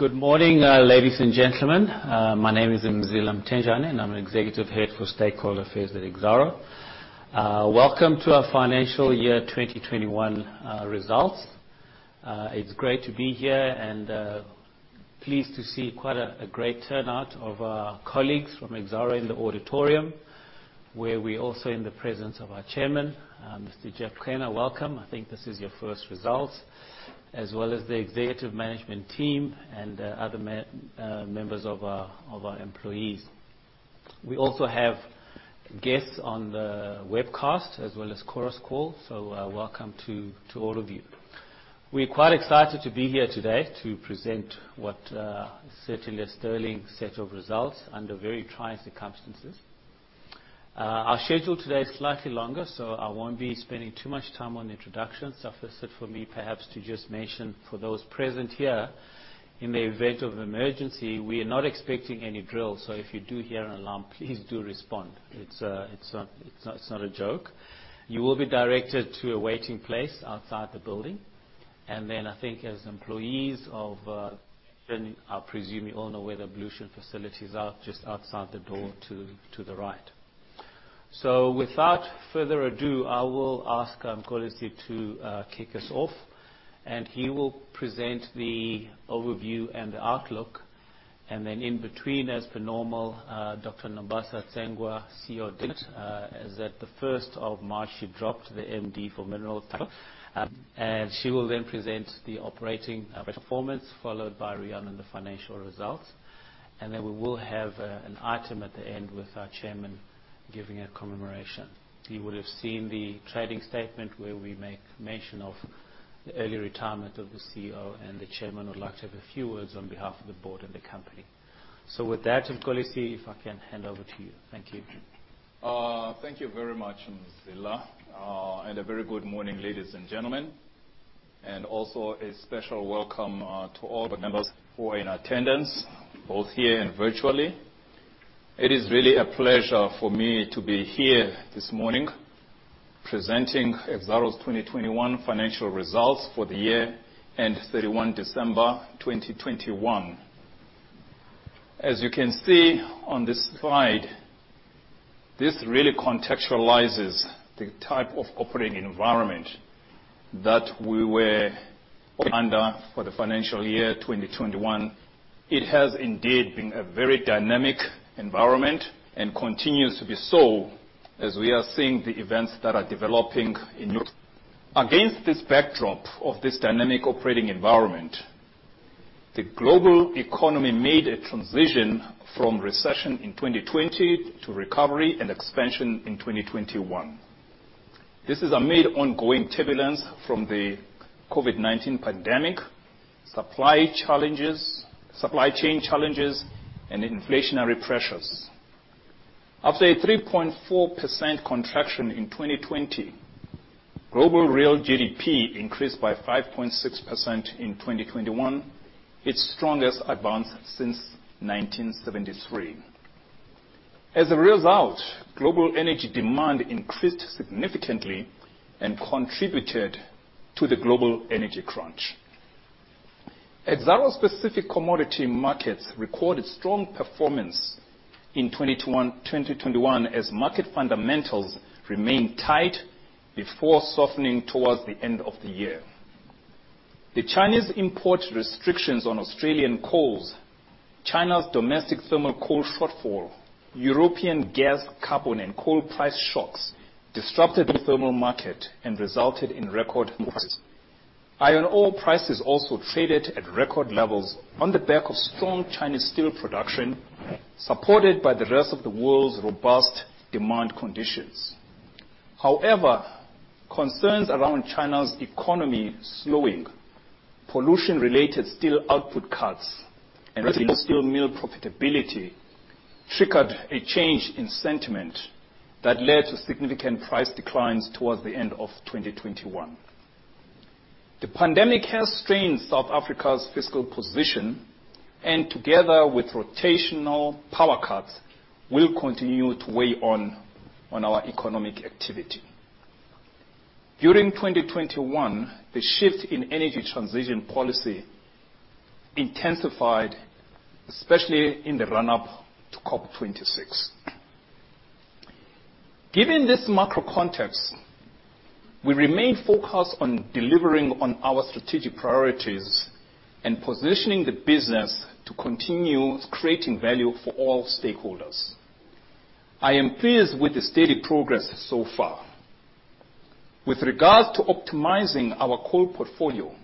Good morning, ladies and gentlemen. My name is Mzila Mthenjane, and I'm Executive Head for Stakeholder Affairs at Exxaro. Welcome to our Financial Year 2021 Results. It's great to be here and pleased to see quite a great turnout of our colleagues from Exxaro in the auditorium, where we're also in the presence of our Chairman, Mr. Geoff Qhena. Welcome. I think this is your first results, as well as the executive management team and other members of our employees. We also have guests on the webcast as well as Chorus Call, so welcome to all of you. We're quite excited to be here today to present what is certainly a sterling set of results under very trying circumstances. Our schedule today is slightly longer, so I won't be spending too much time on introductions. Suffice it for me perhaps to just mention for those present here, in the event of an emergency, we are not expecting any drills, so if you do hear an alarm, please do respond. It's not a joke. You will be directed to a waiting place outside the building. I think as employees of, I'm presuming you all know where the ablution facilities are, just outside the door to the right. Without further ado, I will ask Mxolisi to kick us off, and he will present the overview and outlook. In between as per normal, Dr. Nombasa Tsengwa, CEO. As at the first of March, she dropped the MD for minerals title. She will then present the operating performance followed by Riaan on the financial results. We will have an item at the end with our Chairman giving a commemoration. You will have seen the trading statement where we make mention of the early retirement of the CEO and the Chairman would like to have a few words on behalf of the board and the company. With that Mxolisi, if I can hand over to you. Thank you. Thank you very much, Mzila. A very good morning, ladies and gentlemen, and also a special welcome to all the members who are in attendance, both here and virtually. It is really a pleasure for me to be here this morning presenting Exxaro's 2021 financial results for the year end 31 December 2021. As you can see on this slide, this really contextualizes the type of operating environment that we were under for the financial year 2021. It has indeed been a very dynamic environment and continues to be so as we are seeing the events that are developing in Europe. Against this backdrop of this dynamic operating environment, the global economy made a transition from recession in 2020 to recovery and expansion in 2021. This amid ongoing turbulence from the COVID-19 pandemic, supply challenges, supply chain challenges, and inflationary pressures. After a 3.4% contraction in 2020, global real GDP increased by 5.6% in 2021, its strongest advance since 1973. As a result, global energy demand increased significantly and contributed to the global energy crunch. Exxaro's specific commodity markets recorded strong performance in 2021 as market fundamentals remained tight before softening towards the end of the year. The Chinese import restrictions on Australian coals, China's domestic thermal coal shortfall, European gas, carbon, and coal price shocks disrupted the thermal market and resulted in record moves. Iron ore prices also traded at record levels on the back of strong Chinese steel production, supported by the rest of the world's robust demand conditions. However, concerns around China's economy slowing, pollution-related steel output cuts, and reduced steel mill profitability triggered a change in sentiment that led to significant price declines towards the end of 2021. The pandemic has strained South Africa's fiscal position, and together with rotational power cuts, will continue to weigh on our economic activity. During 2021, the shift in energy transition policy intensified, especially in the run-up to COP26. Given this macro context, we remain focused on delivering on our strategic priorities and positioning the business to continue creating value for all stakeholders. I am pleased with the steady progress so far. With regards to optimizing our coal portfolio,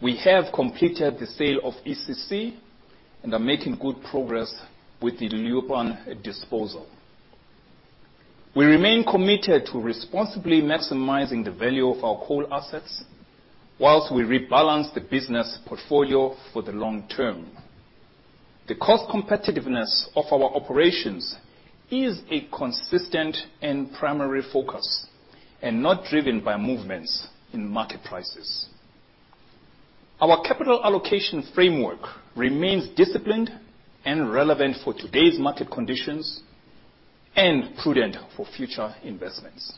we have completed the sale of ECC and are making good progress with the Leeuwpan disposal. We remain committed to responsibly maximizing the value of our coal assets while we rebalance the business portfolio for the long term. The cost competitiveness of our operations is a consistent and primary focus and not driven by movements in market prices. Our capital allocation framework remains disciplined and relevant for today's market conditions and prudent for future investments.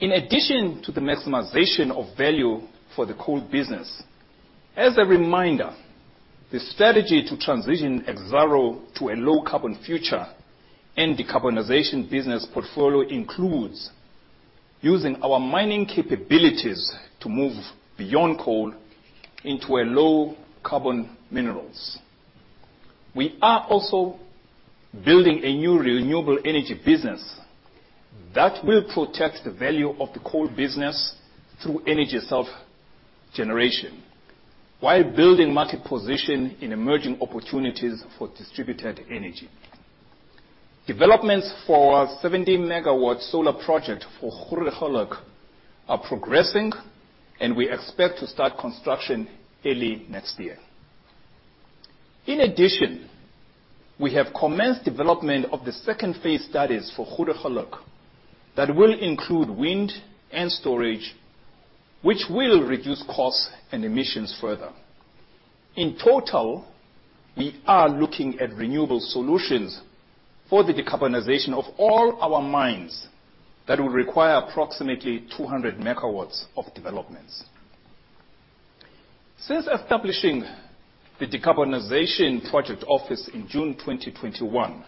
In addition to the maximization of value for the coal business, as a reminder, the strategy to transition Exxaro to a low carbon future and decarbonization business portfolio includes using our mining capabilities to move beyond coal into a low carbon minerals. We are also building a new renewable energy business that will protect the value of the coal business through energy self-generation, while building market position in emerging opportunities for distributed energy. Developments for our 70 MW solar project for Grootegeluk are progressing, and we expect to start construction early next year. In addition, we have commenced development of the second phase studies for Grootegeluk that will include wind and storage, which will reduce costs and emissions further. In total, we are looking at renewable solutions for the decarbonization of all our mines that will require approximately 200 MW of developments. Since establishing the Decarbonization Project Office in June 2021,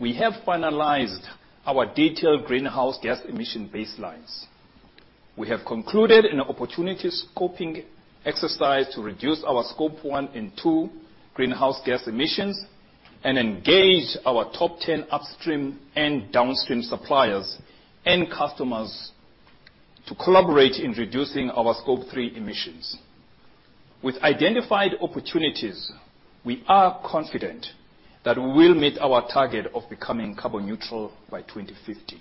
we have finalized our detailed greenhouse gas emission baselines. We have concluded an opportunity scoping exercise to reduce our scope 1 and 2 greenhouse gas emissions, and engaged our top 10 upstream and downstream suppliers and customers to collaborate in reducing our scope 3 emissions. With identified opportunities, we are confident that we'll meet our target of becoming carbon neutral by 2050.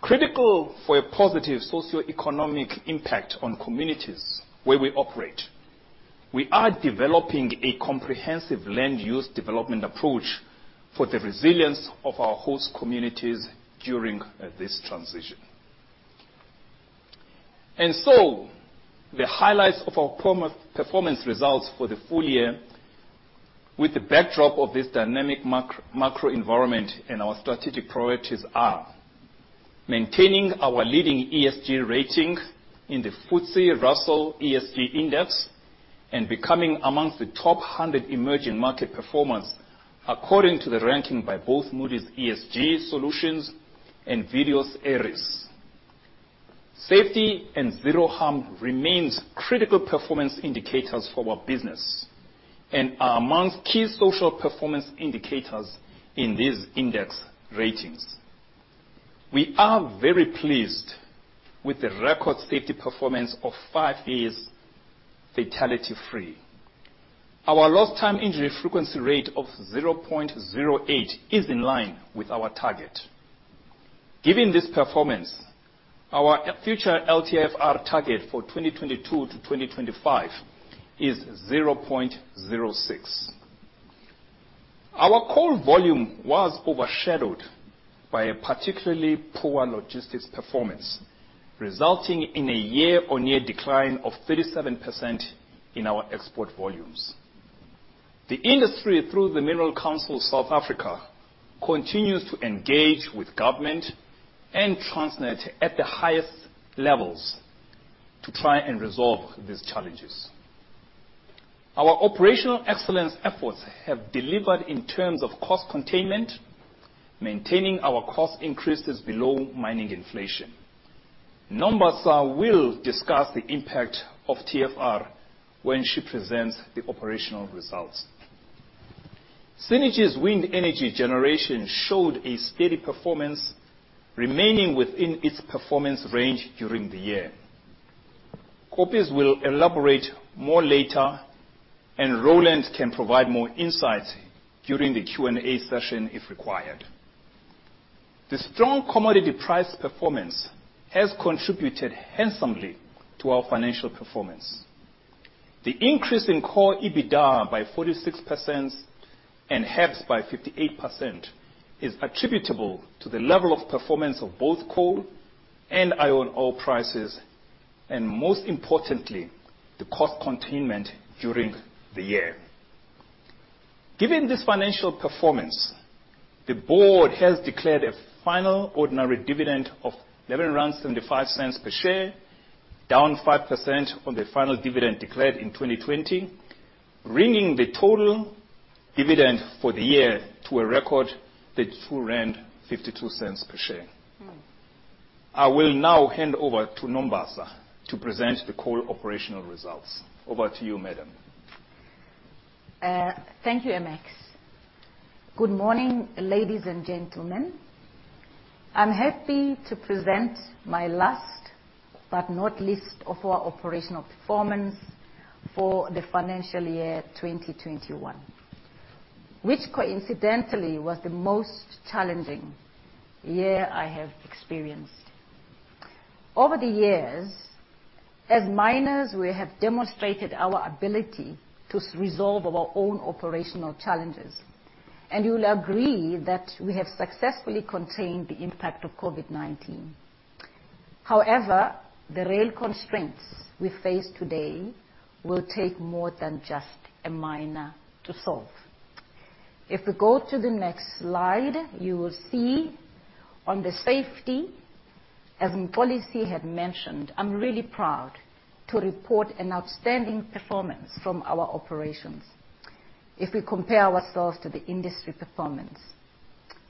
Critical for a positive socioeconomic impact on communities where we operate, we are developing a comprehensive land use development approach for the resilience of our host communities during this transition. The highlights of our performance results for the full year with the backdrop of this dynamic macro environment and our strategic priorities are maintaining our leading ESG rating in the FTSE Russell ESG Index, and becoming among the top 100 emerging market performers according to the ranking by both Moody's ESG Solutions and Vigeo Eiris. Safety and zero harm remains critical performance indicators for our business, and are among key social performance indicators in these index ratings. We are very pleased with the record safety performance of five years fatality free. Our lost time injury frequency rate of 0.08 is in line with our target. Given this performance, our future LTFR target for 2022-2025 is 0.06. Our coal volume was overshadowed by a particularly poor logistics performance, resulting in a year-on-year decline of 37% in our export volumes. The industry, through the Minerals Council South Africa, continues to engage with government and Transnet at the highest levels to try and resolve these challenges. Our operational excellence efforts have delivered in terms of cost containment, maintaining our cost increases below mining inflation. Nombasa will discuss the impact of TFR when she presents the operational results. Cennergi's wind energy generation showed a steady performance, remaining within its performance range during the year. Kopis will elaborate more later, and Rowland can provide more insights during the Q&A session if required. The strong commodity price performance has contributed handsomely to our financial performance. The increase in Core EBITDA by 46% and HEPS by 58% is attributable to the level of performance of both coal and iron ore prices, and most importantly, the cost containment during the year. Given this financial performance, the board has declared a final ordinary dividend of 11.75 rand per share, down 5% from the final dividend declared in 2020, bringing the total dividend for the year to a record 13.52 rand per share. Mm. I will now hand over to Nombasa to present the coal operational results. Over to you, madam. Thank you, MX. Good morning, ladies and gentlemen. I'm happy to present my last, but not least, of our operational performance for the financial year 2021, which coincidentally was the most challenging year I have experienced. Over the years, as miners, we have demonstrated our ability to resolve our own operational challenges, and you'll agree that we have successfully contained the impact of COVID-19. However, the rail constraints we face today will take more than just a miner to solve. If we go to the next slide, you will see on the safety, as Mxolisi had mentioned, I'm really proud to report an outstanding performance from our operations if we compare ourselves to the industry performance.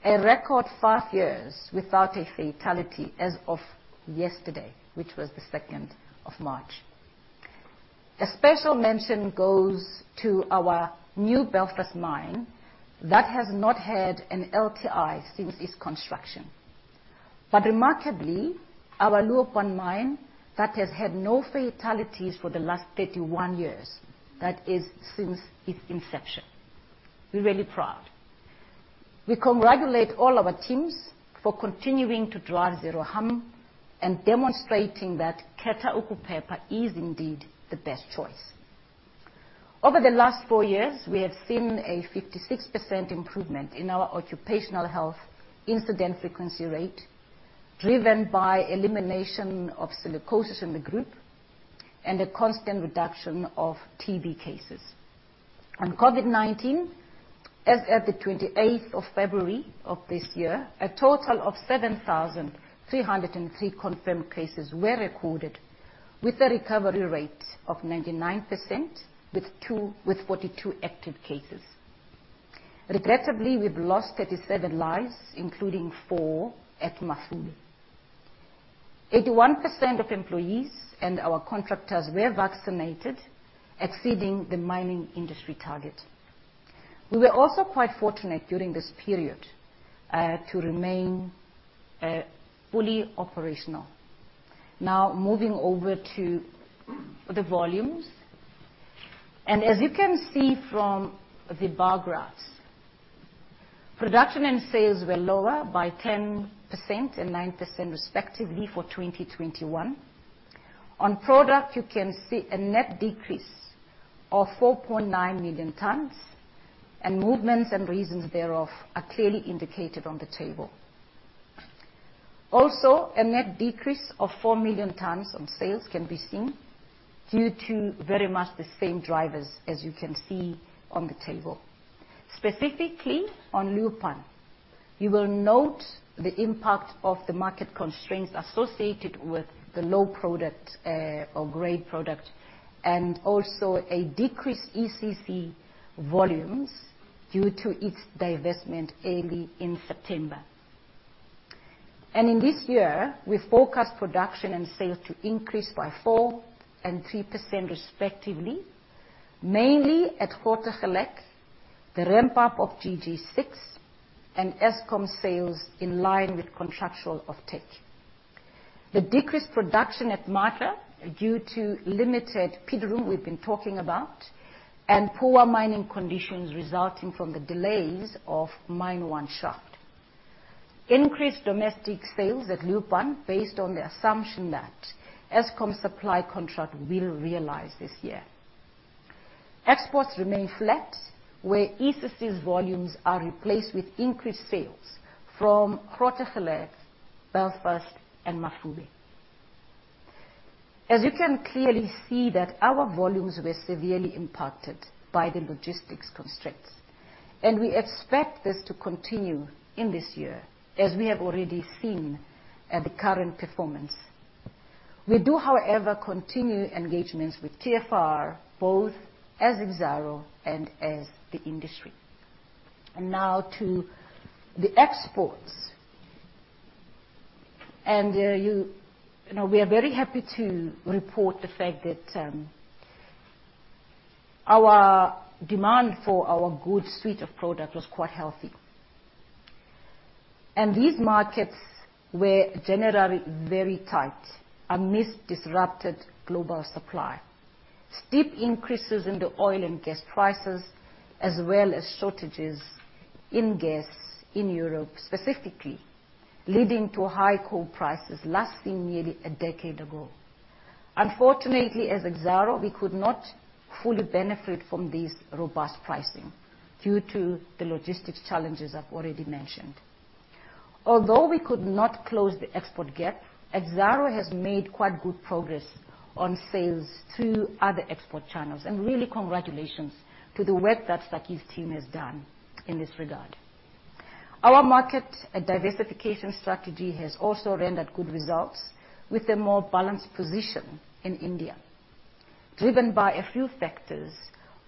A record five years without a fatality as of yesterday, which was the 2 March. A special mention goes to our new Belfast mine that has not had an LTI since its construction. Remarkably, our Leeuwpan mine, that has had no fatalities for the last 31 years, that is since its inception. We're really proud. We congratulate all our teams for continuing to drive zero harm and demonstrating that Khetha Ukuphepha is indeed the best choice. Over the last four years, we have seen a 56% improvement in our occupational health incident frequency rate, driven by elimination of silicosis in the group and a constant reduction of TB cases. On COVID-19, as at the 28th of February of this year, a total of 7,303 confirmed cases were recorded with a recovery rate of 99%, with 42 active cases. Regrettably, we've lost 37 lives, including four at Mafube. 81% of employees and our contractors were vaccinated, exceeding the mining industry target. We were also quite fortunate during this period to remain fully operational. Now moving over to the volumes. As you can see from the bar graphs, production and sales were lower by 10% and 9%, respectively, for 2021. On product, you can see a net decrease of 4.9 million tons and movements and reasons thereof are clearly indicated on the table. Also, a net decrease of 4 million tons on sales can be seen due to very much the same drivers as you can see on the table. Specifically, on Leeuwpan, you will note the impact of the market constraints associated with the low product, or grade product, and also a decreased ECC volumes due to its divestment early in September. In this year, we forecast production and sales to increase by 4% and 3% respectively, mainly at Grootegeluk, the ramp-up of GG6, and Eskom sales in line with contractual offtake. The decreased production at Matla due to limited pit room we've been talking about and poor mining conditions resulting from the delays of mine one shaft. Increased domestic sales at Leeuwpan based on the assumption that Eskom supply contract will realize this year. Exports remain flat, where ECC's volumes are replaced with increased sales from Grootegeluk, Belfast, and Mafube. As you can clearly see that our volumes were severely impacted by the logistics constraints, and we expect this to continue in this year as we have already seen at the current performance. We do, however, continue engagements with TFR, both as Exxaro and as the industry. Now to the exports. You know, we are very happy to report the fact that our demand for our good suite of product was quite healthy. These markets were generally very tight amidst disrupted global supply. Steep increases in the oil and gas prices, as well as shortages in gas in Europe, specifically, leading to high coal prices last seen nearly a decade ago. Unfortunately, as Exxaro, we could not fully benefit from this robust pricing due to the logistics challenges I've already mentioned. Although we could not close the export gap, Exxaro has made quite good progress on sales to other export channels. Really congratulations to the work that Sakkie's team has done in this regard. Our market diversification strategy has also rendered good results with a more balanced position in India, driven by a few factors,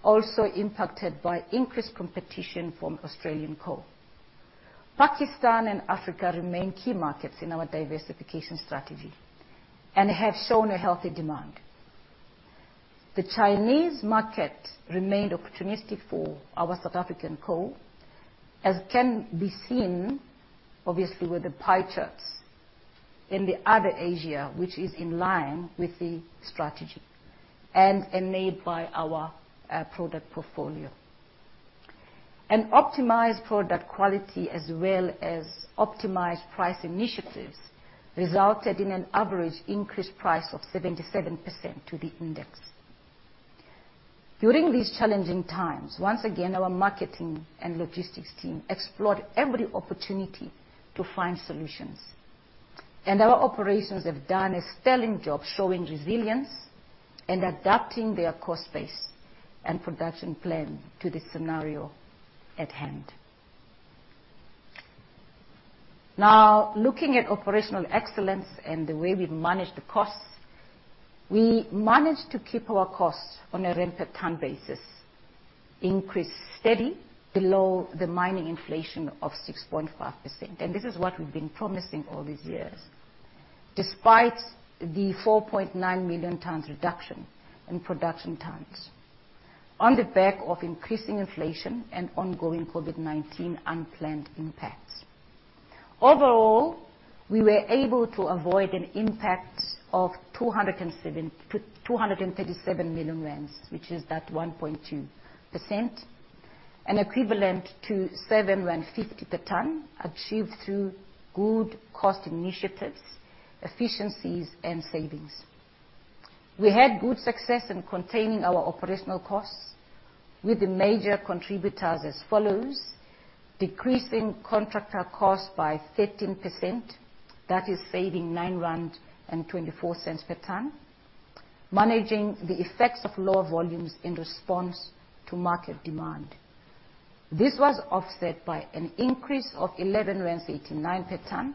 also impacted by increased competition from Australian coal. Pakistan and Africa remain key markets in our diversification strategy and have shown a healthy demand. The Chinese market remained opportunistic for our South African coal, as can be seen obviously with the pie charts in the other Asia, which is in line with the strategy and enabled by our product portfolio. An optimized product quality as well as optimized price initiatives resulted in an average increased price of 77% to the index. During these challenging times, once again, our marketing and logistics team explored every opportunity to find solutions. Our operations have done a sterling job showing resilience and adapting their cost base and production plan to the scenario at hand. Now, looking at operational excellence and the way we've managed the costs, we managed to keep our costs on a rand per tonne basis increase steady below the mining inflation of 6.5%, and this is what we've been promising all these years, despite the 4.9 million tons reduction in production tons on the back of increasing inflation and ongoing COVID-19 unplanned impacts. Overall, we were able to avoid an impact of 237 million rand, which is that 1.2%, and equivalent to 7.50 per ton, achieved through good cost initiatives, efficiencies and savings. We had good success in containing our operational costs with the major contributors as follows, decreasing contractor costs by 13%, that is saving 9.24 rand per ton. Managing the effects of lower volumes in response to market demand. This was offset by an increase of 11.89 per ton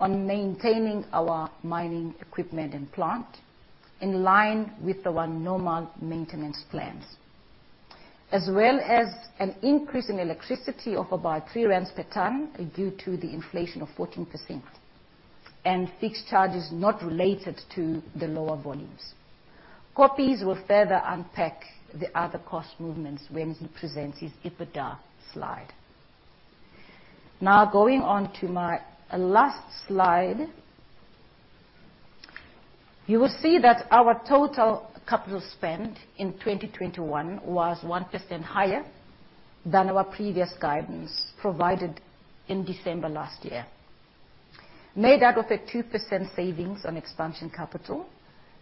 on maintaining our mining equipment and plant in line with our normal maintenance plans. As well as an increase in electricity of about 3 rand per ton due to the inflation of 14% and fixed charges not related to the lower volumes. Koppes will further unpack the other cost movements when he presents his EBITDA slide. Now, going on to my last slide. You will see that our total capital spend in 2021 was 1% higher than our previous guidance provided in December last year. Made out of a 2% savings on expansion capital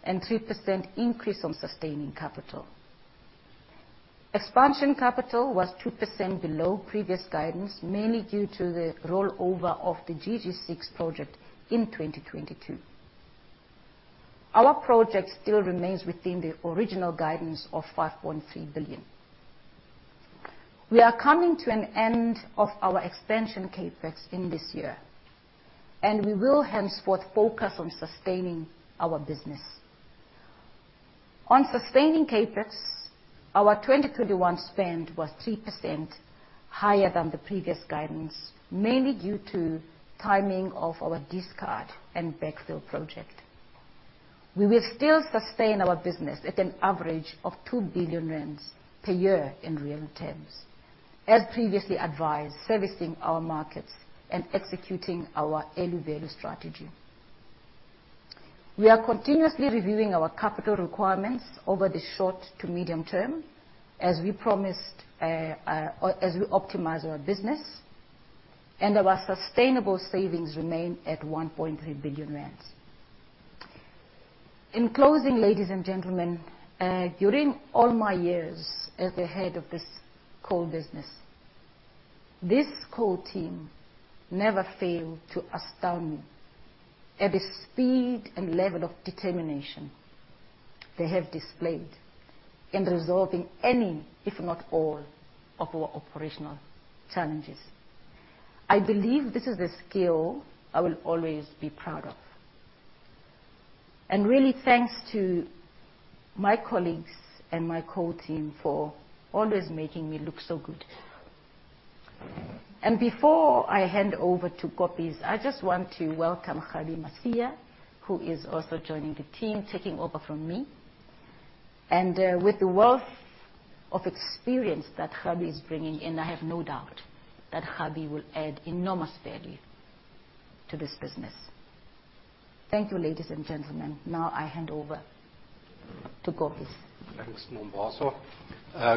and 3% increase on sustaining capital. Expansion capital was 2% below previous guidance, mainly due to the rollover of the GG6 project in 2022. Our project still remains within the original guidance of 5.3 billion. We are coming to an end of our Expansion CapEx in this year, and we will henceforth focus on sustaining our business. On Sustaining CapEx, our 2021 spend was 3% higher than the previous guidance, mainly due to timing of our discard and backfill project. We will still sustain our business at an average of 2 billion rand per year in real terms. As previously advised, servicing our markets and executing our value strategy, we are continuously reviewing our capital requirements over the short to medium term as we promised, as we optimize our business, and our sustainable savings remain at 1.3 billion rand. In closing, ladies and gentlemen, during all my years as the head of this coal business, this coal team never failed to astound me at the speed and level of determination they have displayed in resolving any, if not all, of our operational challenges. I believe this is a skill I will always be proud of. Really thanks to my colleagues and my core team for always making me look so good. Before I hand over to Koppes, I just want to welcome Kgabi Masia, who is also joining the team, taking over from me. With the wealth of experience that Kgabi is bringing in, I have no doubt that Kgabi will add enormous value to this business. Thank you, ladies and gentlemen. Now I hand over to Koppes. Thanks, Nombasa.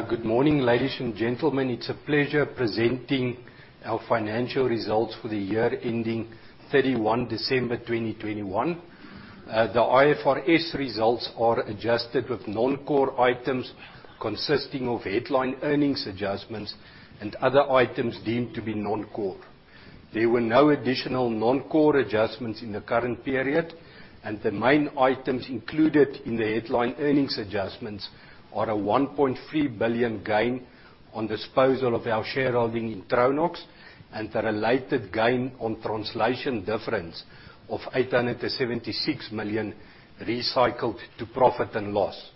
Good morning, ladies and gentlemen. It's a pleasure presenting our financial results for the year ending 31 December 2021. The IFRS results are adjusted with non-core items consisting of headline earnings adjustments and other items deemed to be non-core. There were no additional non-core adjustments in the current period, and the main items included in the headline earnings adjustments are a 1.3 billion gain on disposal of our shareholding in Tronox and a related gain on translation difference of 876 million recycled to profit and loss,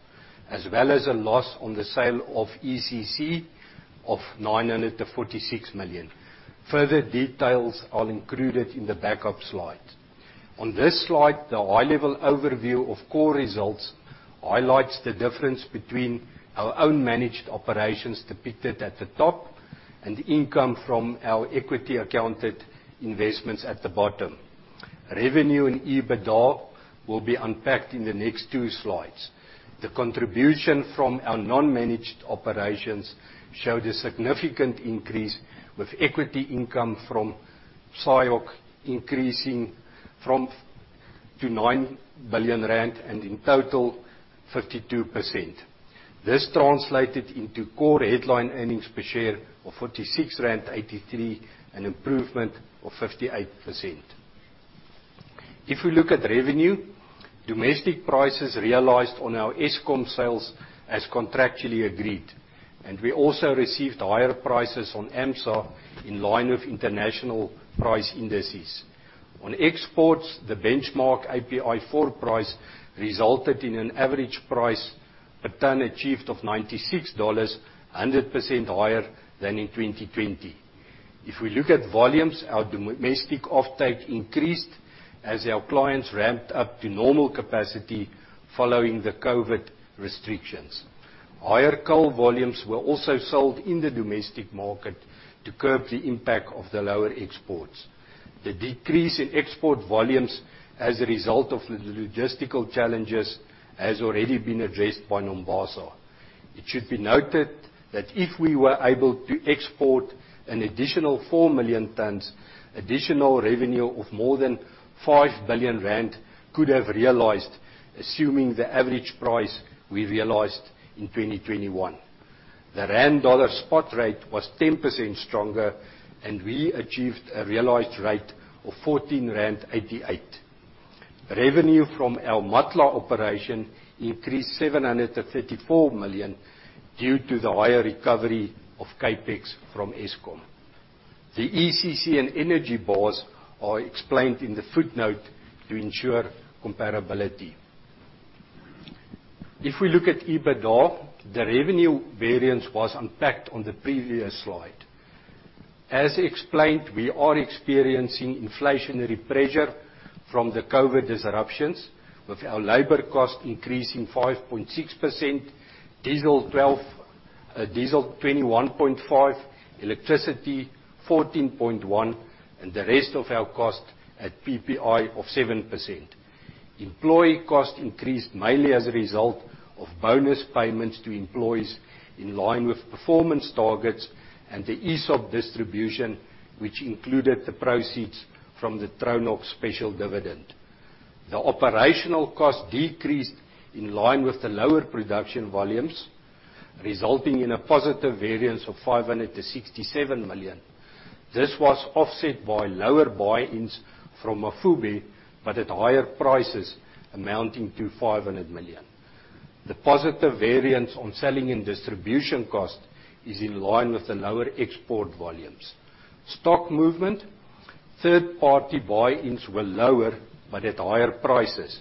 as well as a loss on the sale of ECC of 946 million. Further details are included in the backup slide. On this slide, the high-level overview of core results highlights the difference between our own managed operations depicted at the top and income from our equity accounted investments at the bottom. Revenue and EBITDA will be unpacked in the next two slides. The contribution from our non-managed operations showed a significant increase, with equity income from SIOC increasing to 9 billion rand and in total 52%. This translated into Core Headline Earnings Per Share of 46.83, an improvement of 58%. If we look at revenue, domestic prices realized on our Eskom sales as contractually agreed, and we also received higher prices on AMSA in line with international price indices. On exports, the benchmark API 4 price resulted in an average price per ton achieved of $96, 100% higher than in 2020. If we look at volumes, our domestic offtake increased as our clients ramped up to normal capacity following the COVID restrictions. Higher coal volumes were also sold in the domestic market to curb the impact of the lower exports. The decrease in export volumes as a result of the logistical challenges has already been addressed by Nombasa. It should be noted that if we were able to export an additional 4 million tons, additional revenue of more than 5 billion rand could have realized, assuming the average price we realized in 2021. The rand dollar spot rate was 10% stronger, and we achieved a realized rate of 14.88 rand. Revenue from our Matla operation increased 734 million due to the higher recovery of CapEx from Eskom. The ECC and energy bars are explained in the footnote to ensure comparability. If we look at EBITDA, the revenue variance was unpacked on the previous slide. As explained, we are experiencing inflationary pressure from the COVID-19 disruptions, with our labor cost increasing 5.6%, diesel 21.5%, electricity 14.1%, and the rest of our cost at PPI of 7%. Employee cost increased mainly as a result of bonus payments to employees in line with performance targets and the ESOP distribution, which included the proceeds from the Tronox special dividend. The operational cost decreased in line with the lower production volumes, resulting in a positive variance of 567 million. This was offset by lower buy-ins from Mafube, but at higher prices amounting to 500 million. The positive variance on selling and distribution cost is in line with the lower export volumes. Stock movement, third-party buy-ins were lower but at higher prices,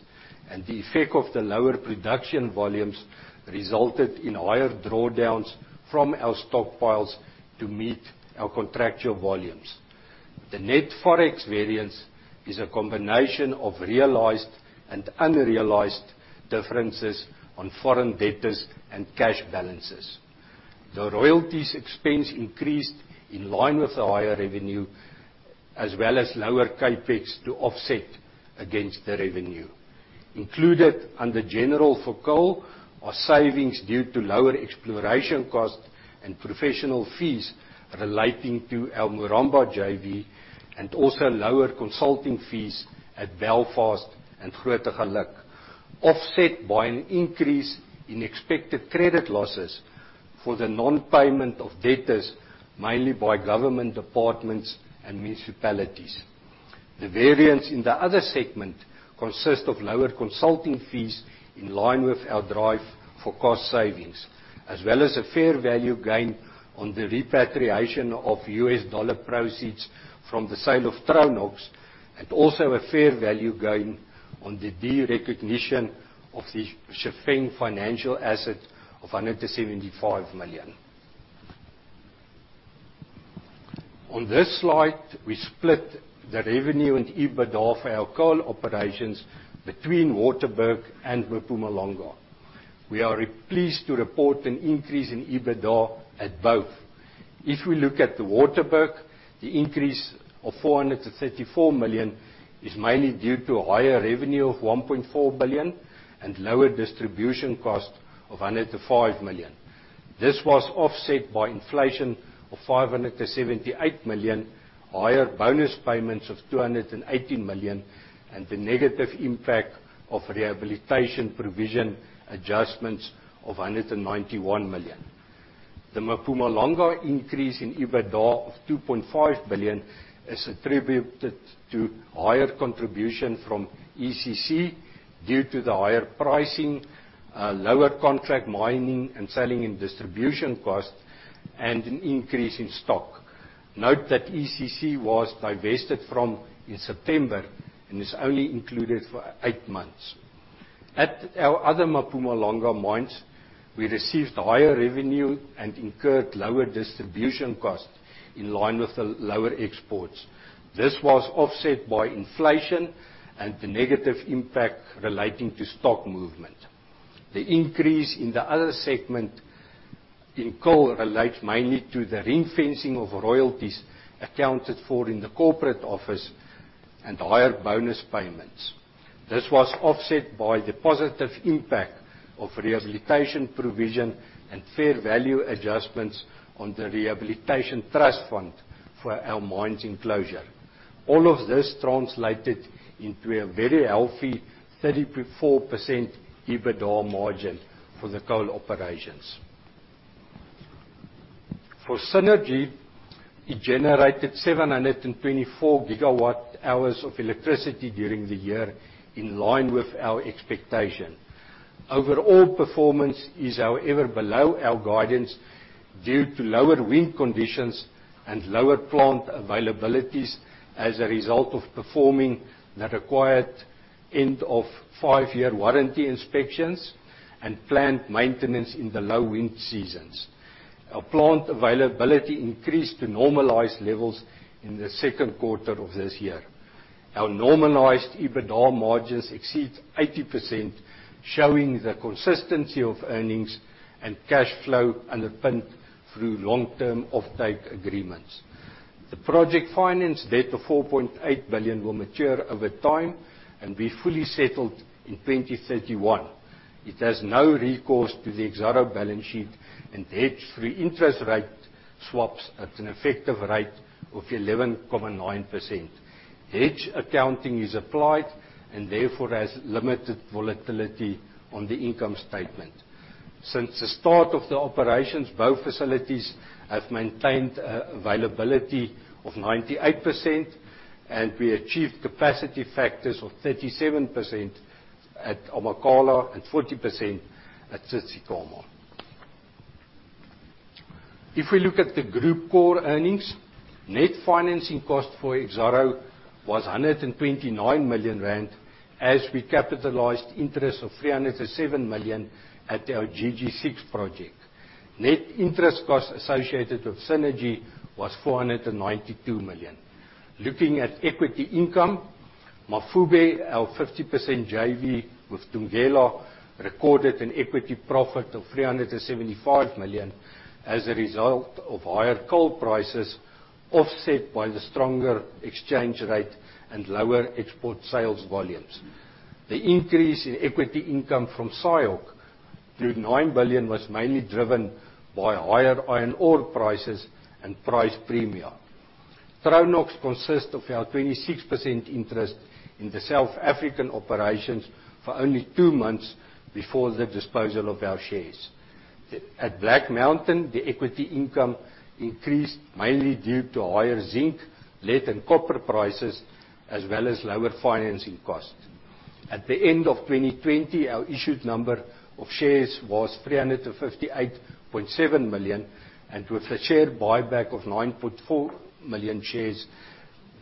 and the effect of the lower production volumes resulted in higher drawdowns from our stockpiles to meet our contractual volumes. The net Forex variance is a combination of realized and unrealized differences on foreign debtors and cash balances. The royalties expense increased in line with the higher revenue, as well as lower CapEx to offset against the revenue. Included under general for coal are savings due to lower exploration costs and professional fees relating to our Moranbah JV and also lower consulting fees at Belfast and Grootegeluk, offset by an increase in expected credit losses for the non-payment of debtors, mainly by government departments and municipalities. The variance in the other segment consists of lower consulting fees in line with our drive for cost savings, as well as a fair value gain on the repatriation of U.S dollar proceeds from the sale of Tronox, and also a fair value gain on the derecognition of the Chifeng financial asset of ZAR 175 million. On this slide, we split the revenue and EBITDA for our coal operations between Waterberg and Mpumalanga. We are pleased to report an increase in EBITDA at both. If we look at the Waterberg, the increase of 434 million is mainly due to higher revenue of 1.4 billion and lower distribution cost of 105 million. This was offset by inflation of 578 million, higher bonus payments of 280 million, and the negative impact of rehabilitation provision adjustments of 191 million. The Mpumalanga increase in EBITDA of 2.5 billion is attributed to higher contribution from ECC due to the higher pricing, lower contract mining and selling and distribution costs, and an increase in stock. Note that ECC was divested from in September and is only included for eight months. At our other Mpumalanga mines, we received higher revenue and incurred lower distribution costs in line with the lower exports. This was offset by inflation and the negative impact relating to stock movement. The increase in the other segment in coal relates mainly to the ring-fencing of royalties accounted for in the corporate office and higher bonus payments. This was offset by the positive impact of rehabilitation provision and fair value adjustments on the rehabilitation trust fund for our mine closure. All of this translated into a very healthy 34% EBITDA margin for the coal operations. For Cennergi, it generated 724 GWh of electricity during the year in line with our expectation. Overall performance is, however, below our guidance due to lower wind conditions and lower plant availabilities as a result of performing the required end of five year warranty inspections and plant maintenance in the low wind seasons. Our plant availability increased to normalized levels in the second quarter of this year. Our normalized EBITDA margins exceed 80%, showing the consistency of earnings and cash flow underpinned through long-term offtake agreements. The project finance debt of 4.8 billion will mature over time and be fully settled in 2031. It has no recourse to the Exxaro balance sheet and hedged through interest rate swaps at an effective rate of 11.9%. Hedge accounting is applied and therefore has limited volatility on the income statement. Since the start of the operations, both facilities have maintained a availability of 98% and we achieved capacity factors of 37% at Amakhala and 40% at Tsitsikamma. If we look at the group core earnings, net financing cost for Exxaro was 129 million rand as we capitalized interest of 307 million at our GG6 project. Net interest costs associated with Cennergi was 492 million. Looking at equity income, Mafube, our 50% JV with Thungela, recorded an equity profit of 375 million as a result of higher coal prices, offset by the stronger exchange rate and lower export sales volumes. The increase in equity income from SIOC to 9 billion was mainly driven by higher iron ore prices and price premia. Tronox consists of our 26% interest in the South African operations for only two months before the disposal of our shares. At Black Mountain, the equity income increased mainly due to higher zinc, lead, and copper prices, as well as lower financing costs. At the end of 2020, our issued number of shares was 358.7 million, and with a share buyback of 9.4 million shares,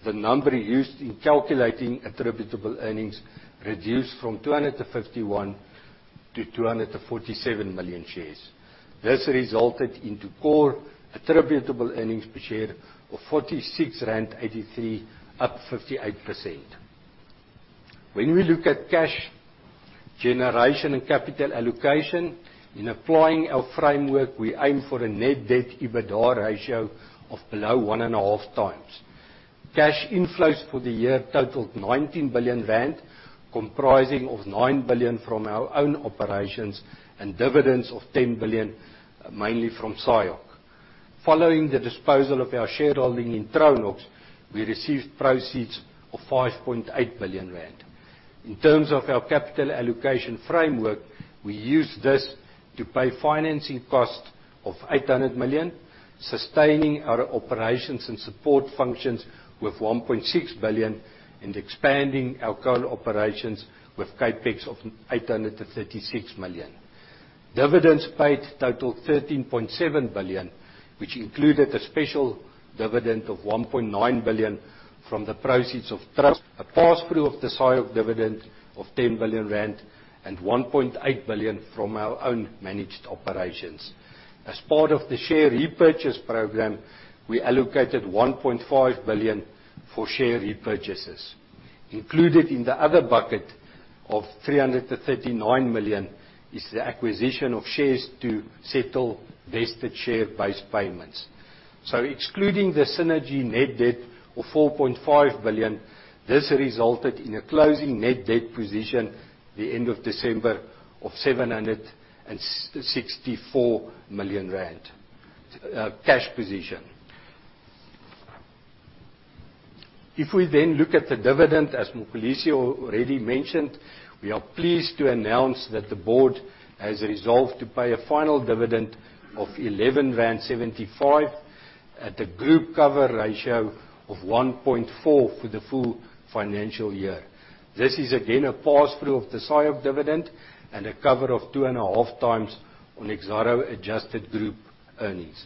the number used in calculating attributable earnings reduced from 251 million to 247 million shares. This resulted into core attributable earnings per share of 46.83, up 58%. When we look at cash generation and capital allocation, in applying our framework, we aim for a net debt-EBITDA ratio of below 1.5x. Cash inflows for the year totaled 19 billion rand, comprising of 9 billion from our own operations and dividends of 10 billion, mainly from SIOC. Following the disposal of our shareholding in Tronox, we received proceeds of 5.8 billion rand. In terms of our capital allocation framework, we used this to pay financing costs of 800 million, sustaining our operations and support functions with 1.6 billion, and expanding our coal operations with CapEx of 836 million. Dividends paid totaled 13.7 billion, which included a special dividend of 1.9 billion from the proceeds of trust, a pass-through of the SIOC dividend of 10 billion rand, and 1.8 billion from our own managed operations. As part of the share repurchase program, we allocated 1.5 billion for share repurchases. Included in the other bucket of 339 million is the acquisition of shares to settle vested share-based payments. Excluding the synergy net debt of 4.5 billion, this resulted in a closing net debt position at the end of December of 764 million rand, cash position. If we then look at the dividend, as Mxolisi already mentioned, we are pleased to announce that the board has resolved to pay a final dividend of 11.75 at a group cover ratio of 1.4 for the full financial year. This is again a pass-through of the SIOC dividend and a cover of 2.5x on Exxaro adjusted group earnings.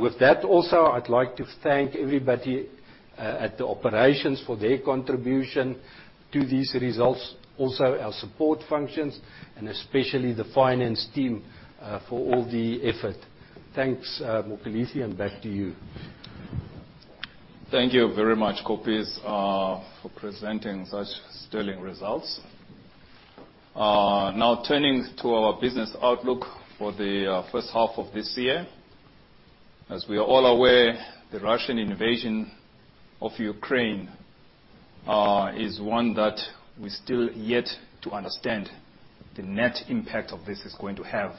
With that also, I'd like to thank everybody at the operations for their contribution to these results, also our support functions, and especially the finance team for all the effort. Thanks, Mxolisi, and back to you. Thank you very much, Koppes, for presenting such sterling results. Now turning to our business outlook for the first half of this year. As we are all aware, the Russian invasion of Ukraine is one that we still yet to understand the net impact of this is going to have,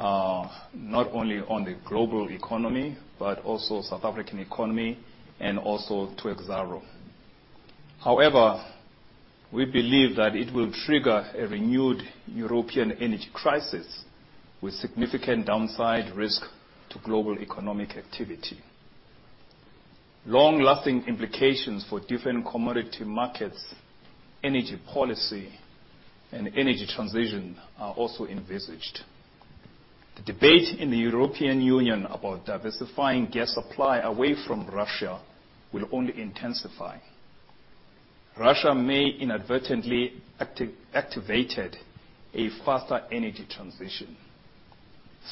not only on the global economy, but also South African economy and also to Exxaro. However, we believe that it will trigger a renewed European energy crisis with significant downside risk to global economic activity. Long-lasting implications for different commodity markets, energy policy, and energy transition are also envisaged. The debate in the European Union about diversifying gas supply away from Russia will only intensify. Russia may inadvertently activated a faster energy transition.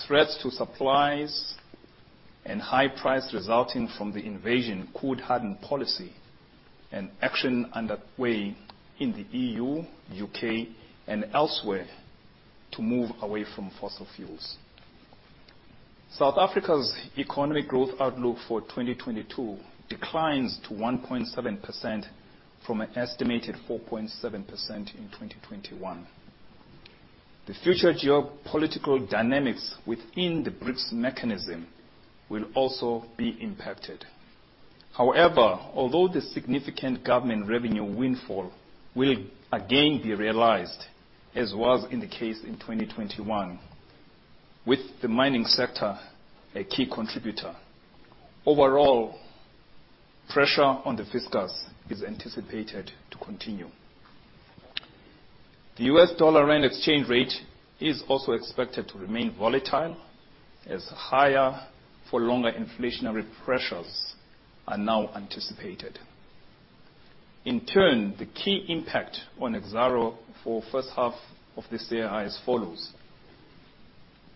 Threats to supplies and high price resulting from the invasion could harden policy and action underway in the EU, U.K., and elsewhere to move away from fossil fuels. South Africa's economic growth outlook for 2022 declines to 1.7% from an estimated 4.7% in 2021. The future geopolitical dynamics within the BRICS mechanism will also be impacted. However, although the significant government revenue windfall will again be realized, as was in the case in 2021, with the mining sector a key contributor, overall, pressure on the fiscus is anticipated to continue. The U.S. dollar-rand exchange rate is also expected to remain volatile as higher for longer inflationary pressures are now anticipated. In turn, the key impact on Exxaro for first half of this year are as follows: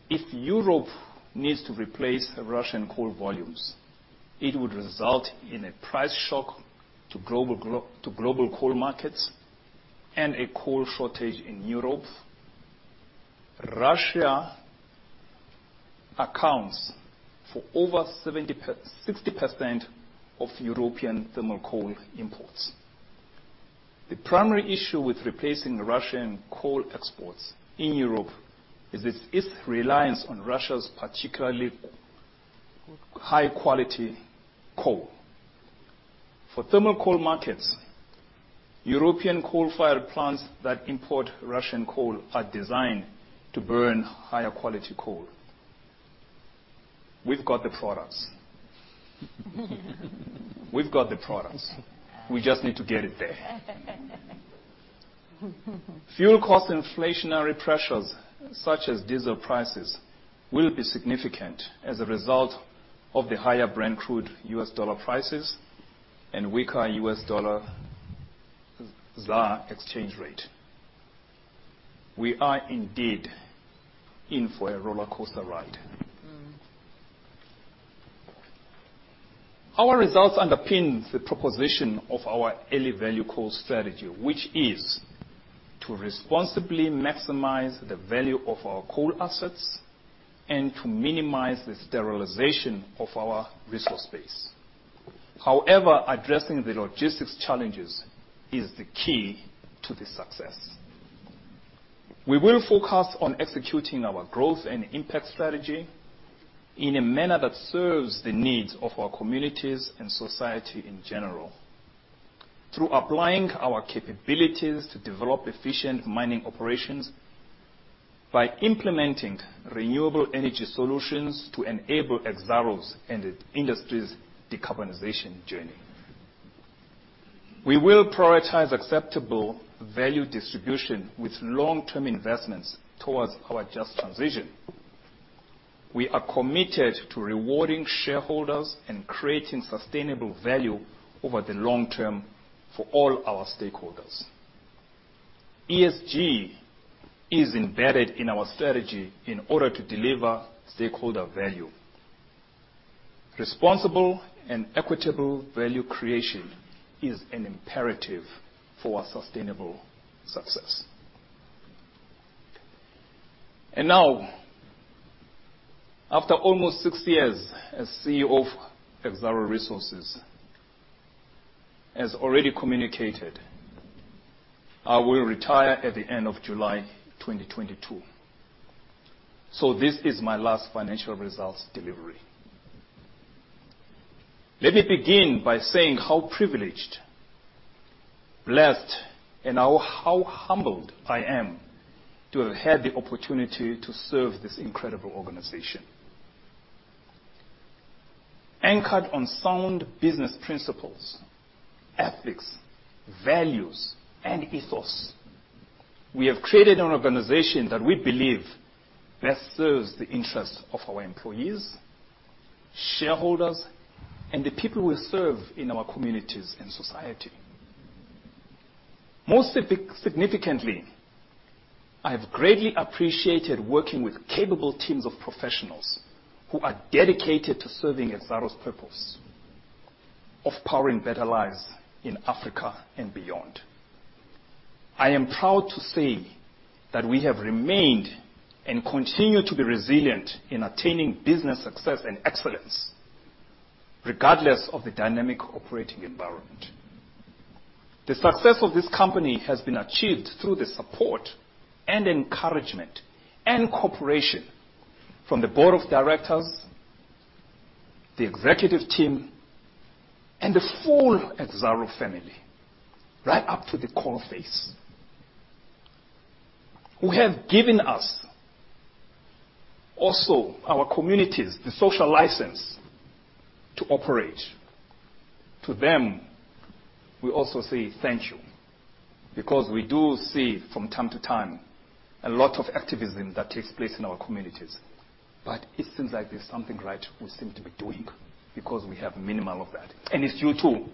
If Europe needs to replace Russian coal volumes, it would result in a price shock to global coal markets and a coal shortage in Europe. Russia accounts for over 60% of European thermal coal imports. The primary issue with replacing Russian coal exports in Europe is its reliance on Russia's particularly high-quality coal. For thermal coal markets, European coal-fired plants that import Russian coal are designed to burn higher quality coal. We've got the products. We just need to get it there. Fuel cost inflationary pressures, such as diesel prices, will be significant as a result of the higher Brent crude U.S dollar prices and weaker U.S dollar-ZAR exchange rate. We are indeed in for a rollercoaster ride. Mm. Our results underpin the proposition of our early value coal strategy, which is to responsibly maximize the value of our coal assets and to minimize the sterilization of our resource base. However, addressing the logistics challenges is the key to the success. We will focus on executing our growth and impact strategy in a manner that serves the needs of our communities and society in general, through applying our capabilities to develop efficient mining operations by implementing renewable energy solutions to enable Exxaro's and the industry's decarbonization journey. We will prioritize acceptable value distribution with long-term investments towards our just transition. We are committed to rewarding shareholders and creating sustainable value over the long term for all our stakeholders. ESG is embedded in our strategy in order to deliver stakeholder value. Responsible and equitable value creation is an imperative for our sustainable success. Now, after almost six years as CEO of Exxaro Resources, as already communicated, I will retire at the end of July 2022. This is my last financial results delivery. Let me begin by saying how privileged, blessed, and humbled I am to have had the opportunity to serve this incredible organization. Anchored on sound business principles, ethics, values, and ethos, we have created an organization that we believe best serves the interests of our employees, shareholders, and the people we serve in our communities and society. Most significantly, I have greatly appreciated working with capable teams of professionals who are dedicated to serving Exxaro's purpose of powering better lives in Africa and beyond. I am proud to say that we have remained and continue to be resilient in attaining business success and excellence regardless of the dynamic operating environment. The success of this company has been achieved through the support and encouragement and cooperation from the board of directors, the executive team, and the full Exxaro family right up to the coalface who have given us, also our communities, the social license to operate. To them, we also say thank you, because we do see from time to time a lot of activism that takes place in our communities, but it seems like there's something right we seem to be doing because we have minimal of that, and it's due to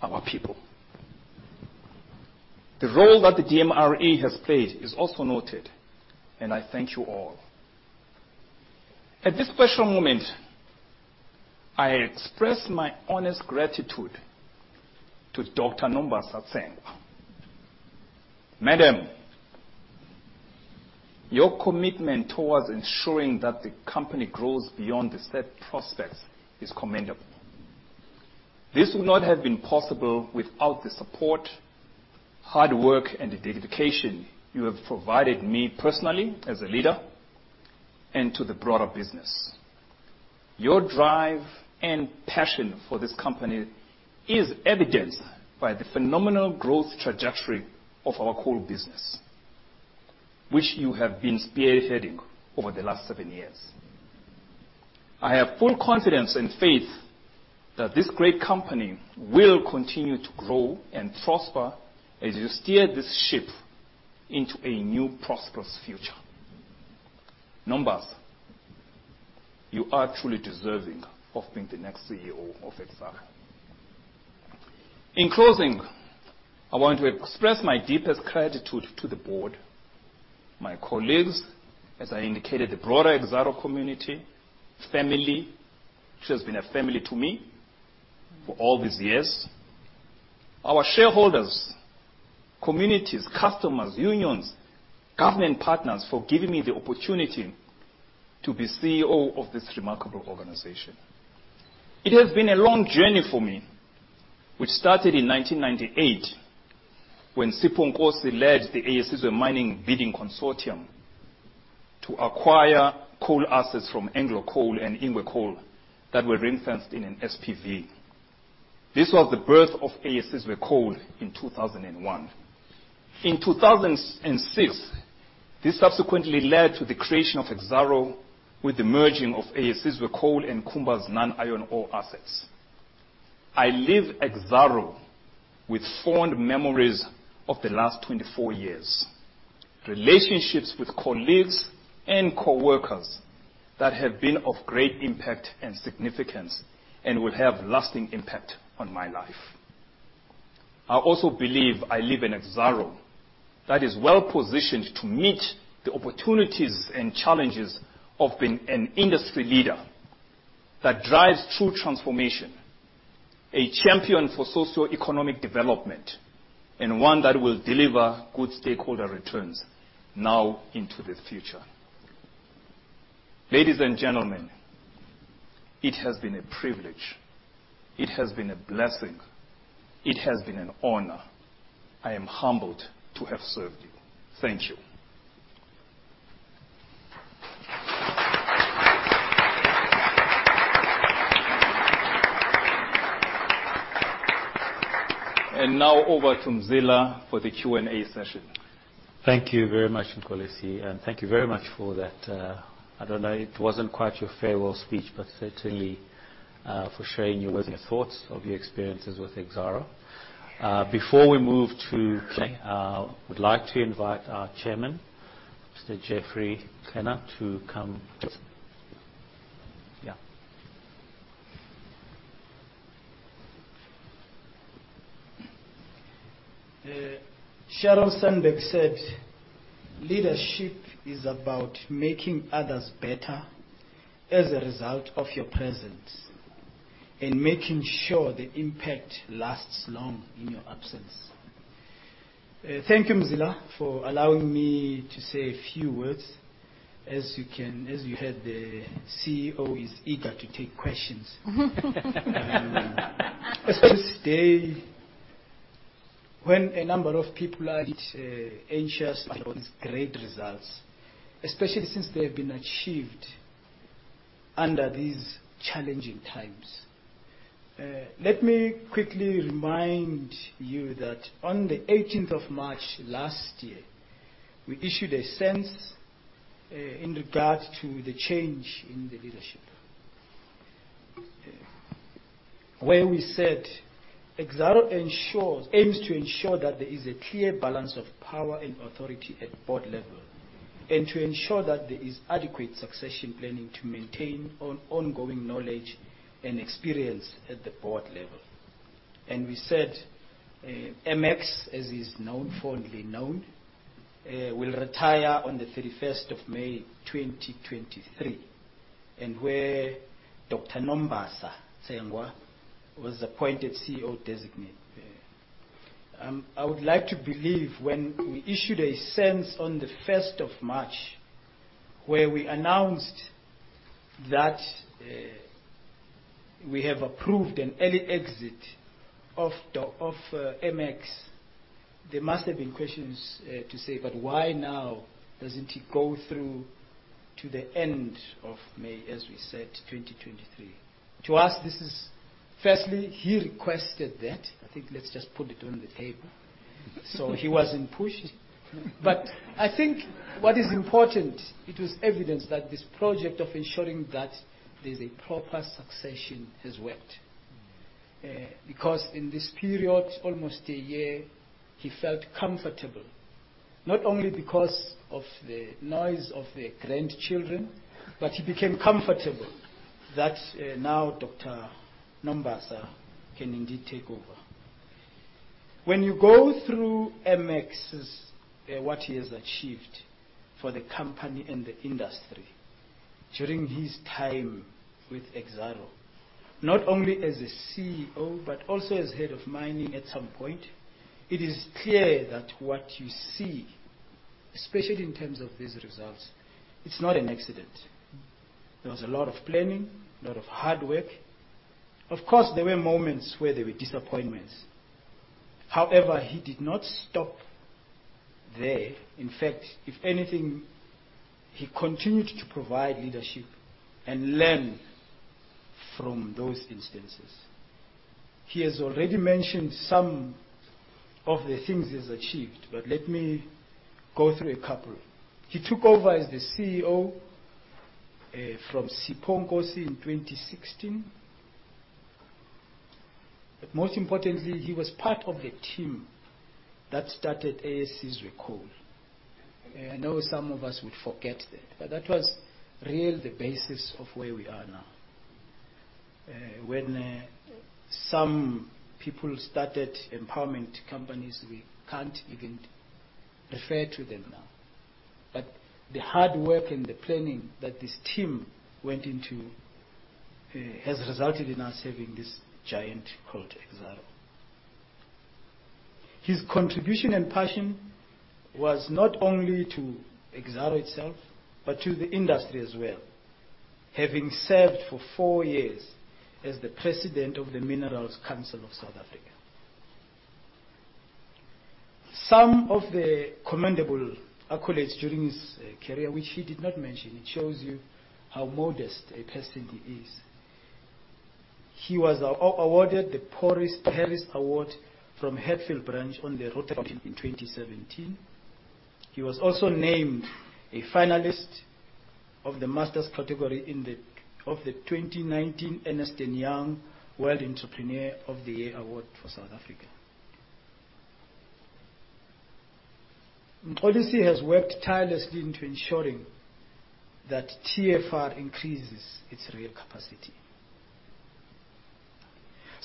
our people. The role that the DMRE has played is also noted, and I thank you all. At this special moment, I express my honest gratitude to Dr. Nombasa. Madam, your commitment towards ensuring that the company grows beyond the set prospects is commendable. This would not have been possible without the support, hard work, and the dedication you have provided me personally as a leader and to the broader business. Your drive and passion for this company is evidenced by the phenomenal growth trajectory of our coal business, which you have been spearheading over the last seven years. I have full confidence and faith that this great company will continue to grow and prosper as you steer this ship into a new, prosperous future. Nombasa, you are truly deserving of being the next CEO of Exxaro. In closing, I want to express my deepest gratitude to the board, my colleagues, as I indicated, the broader Exxaro community, family. She has been a family to me for all these years. Our shareholders, communities, customers, unions, government partners, for giving me the opportunity to be CEO of this remarkable organization. It has been a long journey for me, which started in 1998 when Sipho Nkosi led the Eyesizwe Mining bidding consortium to acquire coal assets from Anglo Coal and Ingwe Coal that were ring-fenced in an SPV. This was the birth of Eyesizwe Coal in 2001. In 2006, this subsequently led to the creation of Exxaro with the merging of Eyesizwe Coal and Kumba's non-iron ore assets. I leave Exxaro with fond memories of the last 24 years, relationships with colleagues and coworkers that have been of great impact and significance and will have lasting impact on my life. I also believe I leave an Exxaro that is well-positioned to meet the opportunities and challenges of being an industry leader that drives true transformation, a champion for socioeconomic development, and one that will deliver good stakeholder returns now into the future. Ladies and gentlemen, it has been a privilege. It has been a blessing. It has been an honor. I am humbled to have served you. Thank you. Now over to Mzila for the Q&A session. Thank you very much, Mxolisi. Thank you very much for that, I don't know, it wasn't quite your farewell speech, but certainly, for sharing with your thoughts of your experiences with Exxaro. Before we move to Q&A, we'd like to invite our chairman, Mr. Geoffrey Qhena, to come. Yeah. Sheryl Sandberg said, "Leadership is about making others better as a result of your presence and making sure the impact lasts long in your absence." Thank you, Mzila, for allowing me to say a few words. As you heard, the CEO is eager to take questions. It's this day when a number of people are a bit anxious about these great results, especially since they have been achieved under these challenging times. Let me quickly remind you that on the eighteenth of March last year, we issued a SENS in regards to the change in the leadership. Where we said, Exxaro aims to ensure that there is a clear balance of power and authority at board level, and to ensure that there is adequate succession planning to maintain ongoing knowledge and experience at the board level. We said MX, as he's fondly known, will retire on the 31st of May 2023, and Dr. Nombasa Tsengwa was appointed CEO-designate. I would like to believe when we issued a SENS on the 1st of March where we announced that we have approved an early exit of MX, there must have been questions to say, "But why now? Doesn't he go through to the end of May, as we said, 2023?" To us, this is, firstly, he requested that. I think let's just put it on the table. He wasn't pushed. I think what is important, it was evidence that this project of ensuring that there's a proper succession has worked. Mm-hmm. Because in this period, almost a year, he felt comfortable, not only because of the noise of the grandchildren, but he became comfortable that, now Dr. Nombasa can indeed take over. When you go through MX's, what he has achieved for the company and the industry during his time with Exxaro, not only as a CEO, but also as head of mining at some point, it is clear that what you see, especially in terms of these results, it's not an accident. Mm-hmm. There was a lot of planning, a lot of hard work. Of course, there were moments where there were disappointments. However, he did not stop there. In fact, if anything, he continued to provide leadership and learn from those instances. He has already mentioned some of the things he's achieved, but let me go through a couple. He took over as the CEO from Sipho Nkosi in 2016. Most importantly, he was part of the team that started Eyesizwe Coal. I know some of us would forget that, but that was really the basis of where we are now. When some people started empowerment companies, we can't even refer to them now. The hard work and the planning that this team went into has resulted in us having this giant called Exxaro. His contribution and passion was not only to Exxaro itself, but to the industry as well, having served for four years as the president of the Minerals Council South Africa. Some of the commendable accolades during his career, which he did not mention, it shows you how modest a person he is. He was awarded the Paul Harris Fellow Award from the Rotary Club of Hatfield in 2017. He was also named a finalist of the Masters category of the 2019 Ernst & Young World Entrepreneur of the Year Award for South Africa. Nkosi has worked tirelessly in ensuring that TFR increases its real capacity.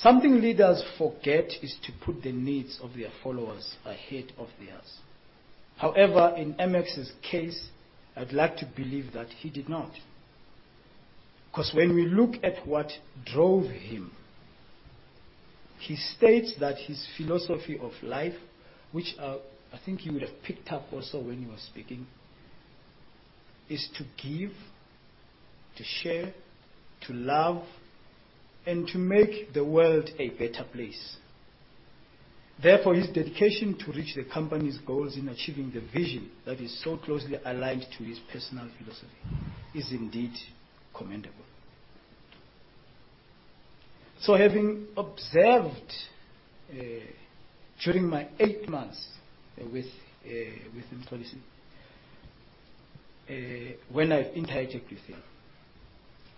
Something leaders forget is to put the needs of their followers ahead of theirs. However, in MX's case, I'd like to believe that he did not. Cause when we look at what drove him, he states that his philosophy of life, which, I think you would have picked up also when you were speaking, is to give, to share, to love, and to make the world a better place. Therefore, his dedication to reach the company's goals in achieving the vision that is so closely aligned to his personal philosophy is indeed commendable. Having observed during my eight months with Nkosi, when I interacted with him,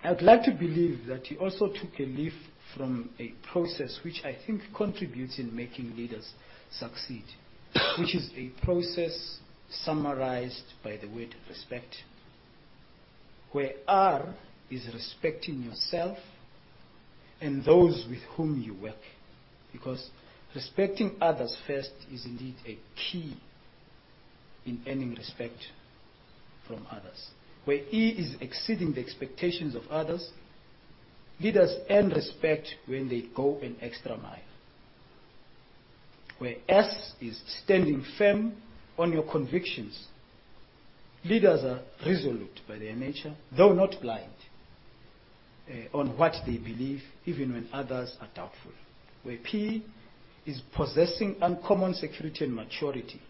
I would like to believe that he also took a leaf from a process which I think contributes in making leaders succeed, which is a process summarized by the word Respect. Where R is Respecting yourself and those with whom you work, because respecting others first is indeed a key in earning respect from others. Where E is Exceeding the expectations of others. Leaders earn respect when they go an extra mile. Where S is Standing firm on your convictions. Leaders are resolute by their nature, though not blind on what they believe, even when others are doubtful. Where P is Possessing uncommon security and maturity.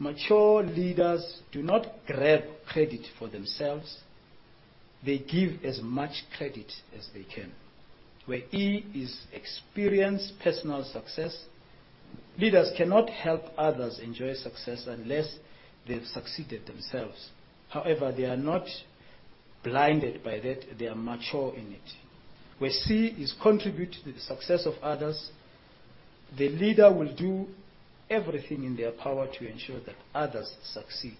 Mature leaders do not grab credit for themselves. They give as much credit as they can. Where E is Experience personal success. Leaders cannot help others enjoy success unless they've succeeded themselves. However, they are not blinded by that. They are mature in it. Where C is Contribute to the success of others. The leader will do everything in their power to ensure that others succeed,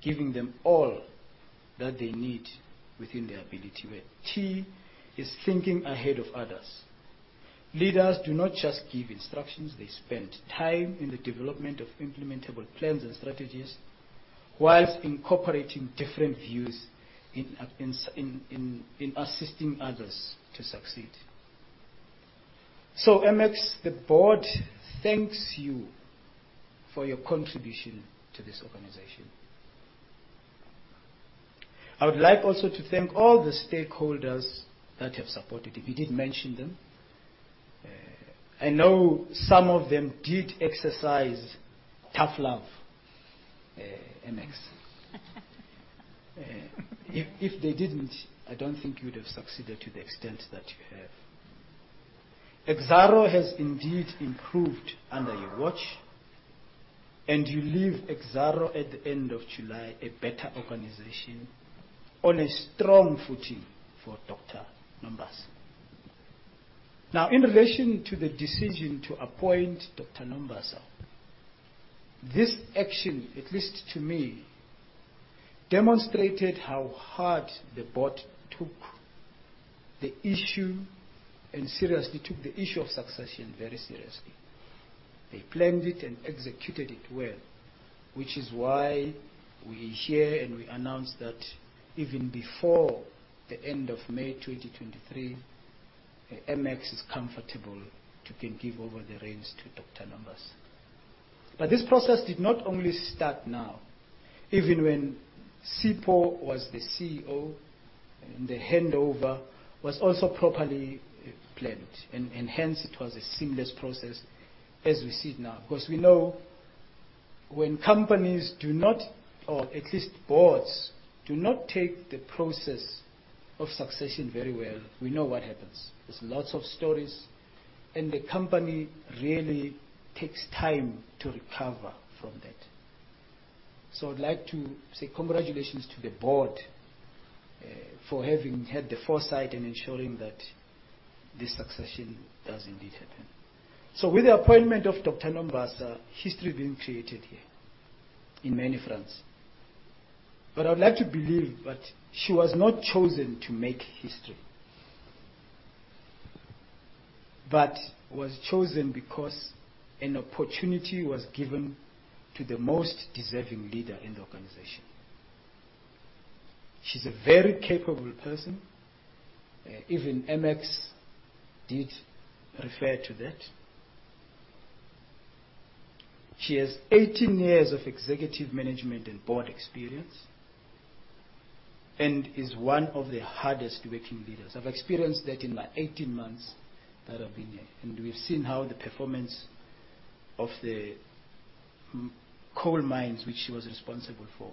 giving them all that they need within their ability. Where T is Thinking ahead of others. Leaders do not just give instructions, they spend time in the development of implementable plans and strategies while incorporating different views in assisting others to succeed. MX, the board thanks you for your contribution to this organization. I would like also to thank all the stakeholders that have supported. If you did mention them, I know some of them did exercise tough love, MX. If they didn't, I don't think you would have succeeded to the extent that you have. Exxaro has indeed improved under your watch, and you leave Exxaro at the end of July, a better organization on a strong footing for Dr. Nombasa. Now, in relation to the decision to appoint Dr.Nombasa, this action, at least to me, demonstrated how hard the board took the issue and seriously took the issue of succession very seriously. They planned it and executed it well, which is why we are here and we announce that even before the end of May 2023, MX is comfortable and can give over the reins to Dr. Nombasa. This process did not only start now. Even when Sipho was the CEO and the handover was also properly planned and hence it was a seamless process as we see it now. We know when companies do not, or at least boards do not take the process of succession very well, we know what happens. There's lots of stories, and the company really takes time to recover from that. I'd like to say congratulations to the board for having had the foresight in ensuring that this succession does indeed happen. With the appointment of Dr. Nombasa, history being created here in many fronts. I'd like to believe that she was not chosen to make history, but was chosen because an opportunity was given to the most deserving leader in the organization. She's a very capable person. Even MX did refer to that. She has 18 years of executive management and board experience and is one of the hardest working leaders. I've experienced that in my 18 months that I've been here, and we've seen how the performance of the coal mines, which she was responsible for,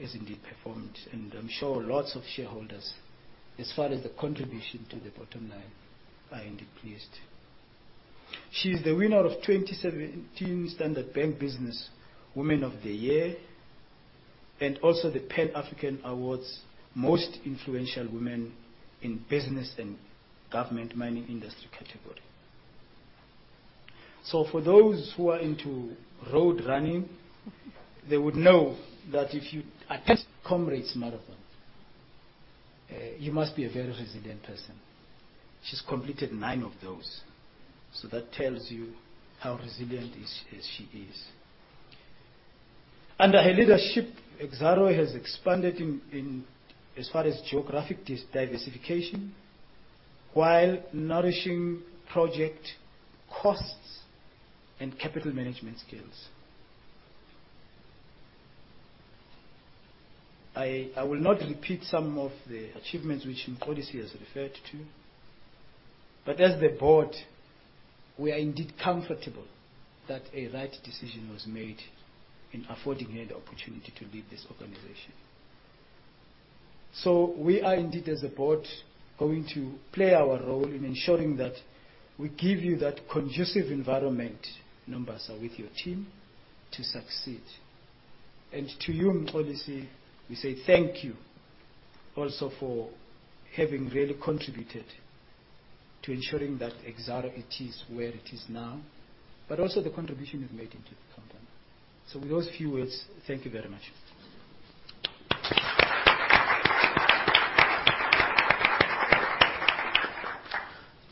has indeed performed. I'm sure lots of shareholders, as far as the contribution to the bottom line, are indeed pleased. She's the winner of 2017 Standard Bank Business Woman of the Year and also the Africa's Most Influential Women in Business and Government Mining Industry category. For those who are into road running, they would know that if you attempt Comrades Marathon, you must be a very resilient person. She's completed nine of those. That tells you how resilient she is. Under her leadership, Exxaro has expanded in as far as geographic diversification, while nourishing project costs and capital management skills. I will not repeat some of the achievements which Mxolisi has referred to, but as the board, we are indeed comfortable that a right decision was made in affording her the opportunity to lead this organization. We are indeed, as a board, going to play our role in ensuring that we give you that conducive environment, Nombasa, with your team to succeed. To you, Mxolisi, we say thank you also for having really contributed to ensuring that Exxaro it is where it is now, but also the contribution you've made into the company. With those few words, thank you very much.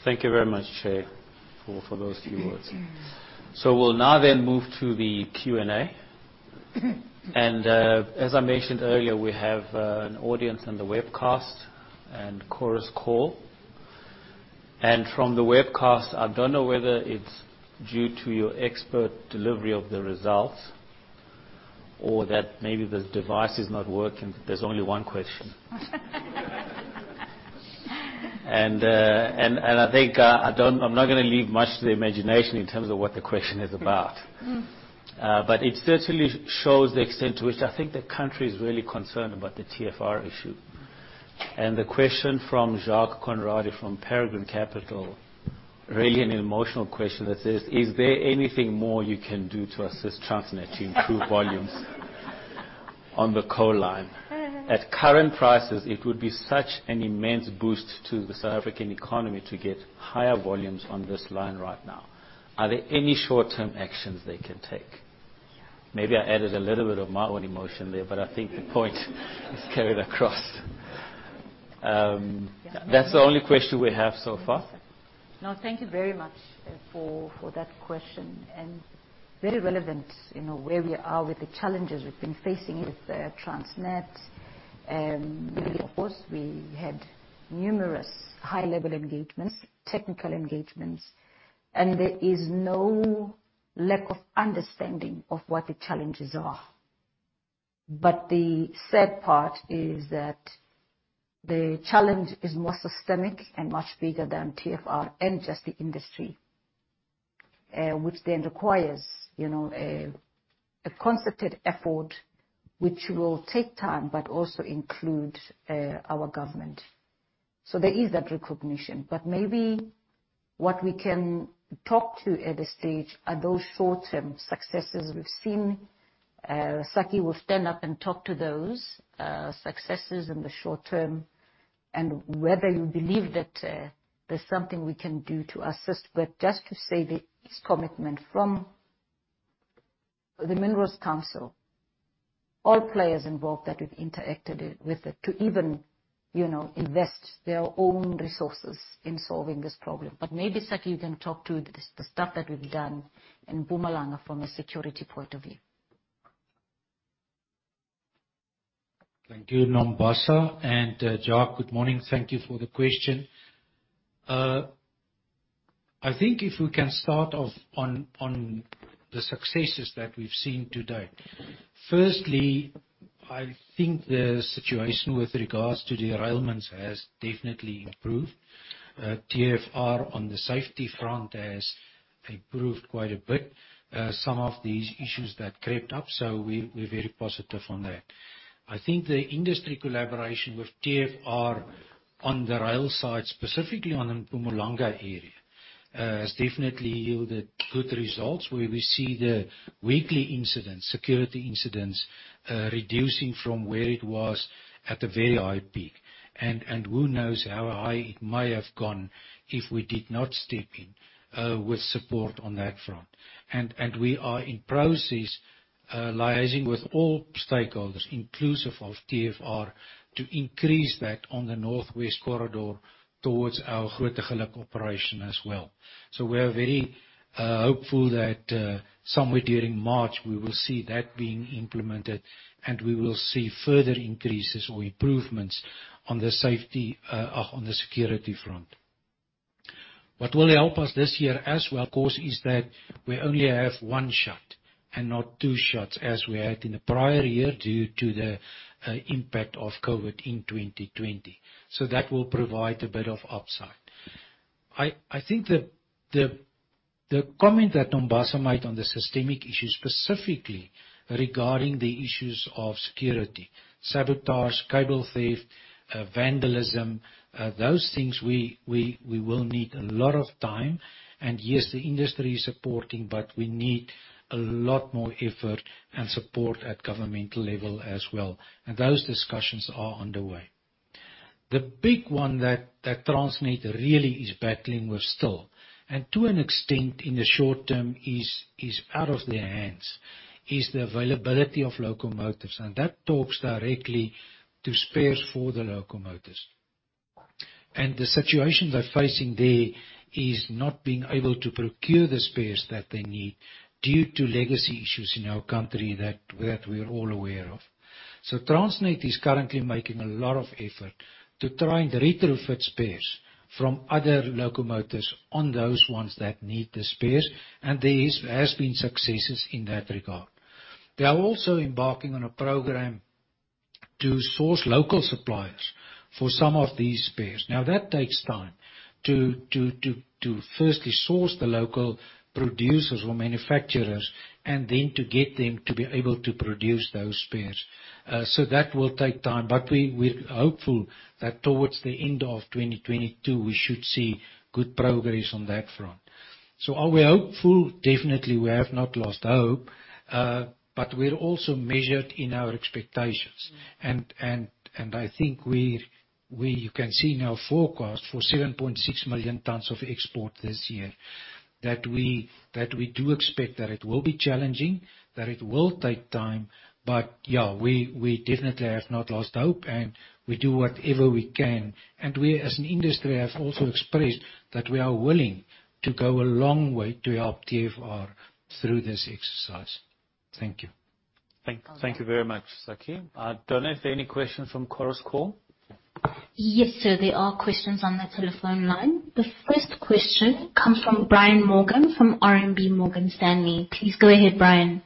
Thank you very much, Chair, for those few words. We'll now then move to the Q&A. As I mentioned earlier, we have an audience on the webcast and chorus call. From the webcast, I don't know whether it's due to your expert delivery of the results or that maybe the device is not working. There's only one question. I think I'm not gonna leave much to the imagination in terms of what the question is about. But it certainly shows the extent to which I think the country is really concerned about the TFR issue. The question from Jacques Conradie from Peregrine Capital, really an emotional question that says, "Is there anything more you can do to assist Transnet to improve volumes on the coal line? At current prices, it would be such an immense boost to the South African economy to get higher volumes on this line right now. Are there any short-term actions they can take? Maybe I added a little bit of my own emotion there, but I think the point is carried across. That's the only question we have so far. No, thank you very much for that question, and very relevant, you know, where we are with the challenges we've been facing with Transnet. Really, of course, we had numerous high-level engagements, technical engagements, and there is no lack of understanding of what the challenges are. The sad part is that the challenge is more systemic and much bigger than TFR and just the industry, which then requires, you know, a concerted effort which will take time, but also includes our government. There is that recognition, but maybe what we can talk to at this stage are those short-term successes we've seen. Sakkie will stand up and talk to those successes in the short term and whether you believe that there's something we can do to assist. Just to say there is commitment from the Minerals Council, all players involved that we've interacted with, to even, you know, invest their own resources in solving this problem. Maybe, Sakkie, you can talk to the stuff that we've done in Mpumalanga from a security point of view. Thank you, Nombasa, and Jacques, good morning. Thank you for the question. I think if we can start off on the successes that we've seen to date. Firstly, I think the situation with regards to derailments has definitely improved. TFR on the safety front has improved quite a bit, some of these issues that crept up, so we're very positive on that. I think the industry collaboration with TFR on the rail side, specifically on the Mpumalanga area, has definitely yielded good results, where we see the weekly incidents, security incidents, reducing from where it was at a very high peak. Who knows how high it may have gone if we did not step in with support on that front. We are in process liaising with all stakeholders, inclusive of TFR, to increase that on the northwest corridor towards our Grootegeluk operation as well. We are very hopeful that somewhere during March, we will see that being implemented, and we will see further increases or improvements on the safety on the security front. What will help us this year as well, of course, is that we only have one shut and not two shuts as we had in the prior year due to the impact of COVID in 2020. That will provide a bit of upside. I think the comment that Nombasa made on the systemic issue, specifically regarding the issues of security, sabotage, cable theft, vandalism, those things we will need a lot of time. Yes, the industry is supporting, but we need a lot more effort and support at governmental level as well. Those discussions are underway. The big one that Transnet really is battling with still, and to an extent in the short term is out of their hands, is the availability of locomotives, and that talks directly to spares for the locomotives. The situation they're facing there is not being able to procure the spares that they need due to legacy issues in our country that we're all aware of. Transnet is currently making a lot of effort to try and retrofit spares from other locomotives on those ones that need the spares, and there has been successes in that regard. They are also embarking on a program to source local suppliers for some of these spares. Now, that takes time to firstly source the local producers or manufacturers and then to get them to be able to produce those spares. That will take time, but we're hopeful that towards the end of 2022, we should see good progress on that front. Are we hopeful? Definitely, we have not lost hope. We're also measured in our expectations. I think you can see in our forecast for 7.6 million tons of export this year, that we do expect that it will be challenging, that it will take time. Yeah, we definitely have not lost hope, and we do whatever we can. We, as an industry, have also expressed that we are willing to go a long way to help TFR through this exercise. Thank you. Thank you very much, Sakkie. I don't know if there are any questions from Chorus Call. Yes, sir. There are questions on the telephone line. The first question comes from Brian Morgan from RMB Morgan Stanley. Please go ahead, Brian.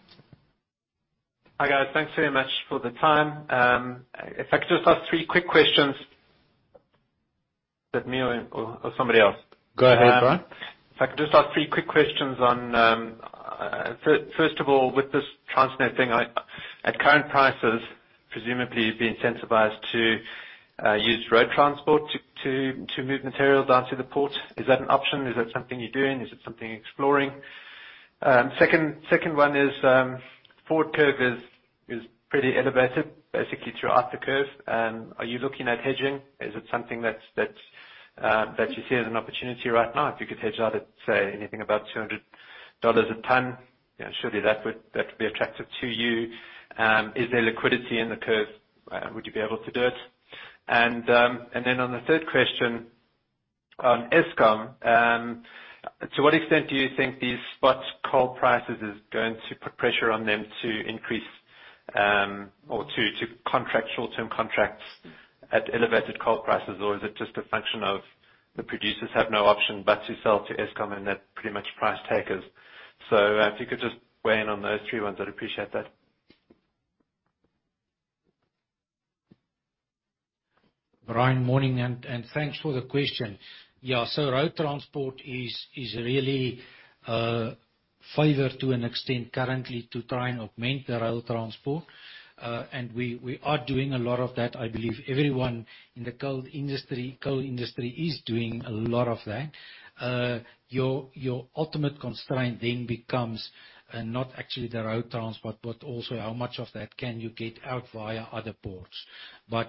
Hi, guys. Thanks very much for the time. If I could just ask three quick questions. Is that me or somebody else? Go ahead, Brian. If I could just ask three quick questions on first of all, with this Transnet thing, at current prices, presumably you'd be incentivized to use road transport to move materials down to the port. Is that an option? Is that something you're doing? Is it something you're exploring? Second one is, forward curve is pretty elevated, basically throughout the curve. Are you looking at hedging? Is it something that you see as an opportunity right now. If you could hedge out at, say, anything about 200 a ton, you know, surely that would be attractive to you. Is there liquidity in the curve? Would you be able to do it? On the third question on Eskom, to what extent do you think these spot coal prices is going to put pressure on them to increase or to contract short-term contracts at elevated coal prices? Or is it just a function of the producers have no option but to sell to Eskom and they're pretty much price takers. If you could just weigh in on those three ones, I'd appreciate that. Brian, morning, and thanks for the question. Yeah, road transport is really favored to an extent currently to try and augment the rail transport. We are doing a lot of that. I believe everyone in the coal industry is doing a lot of that. Your ultimate constraint then becomes not actually the road transport but also how much of that can you get out via other ports.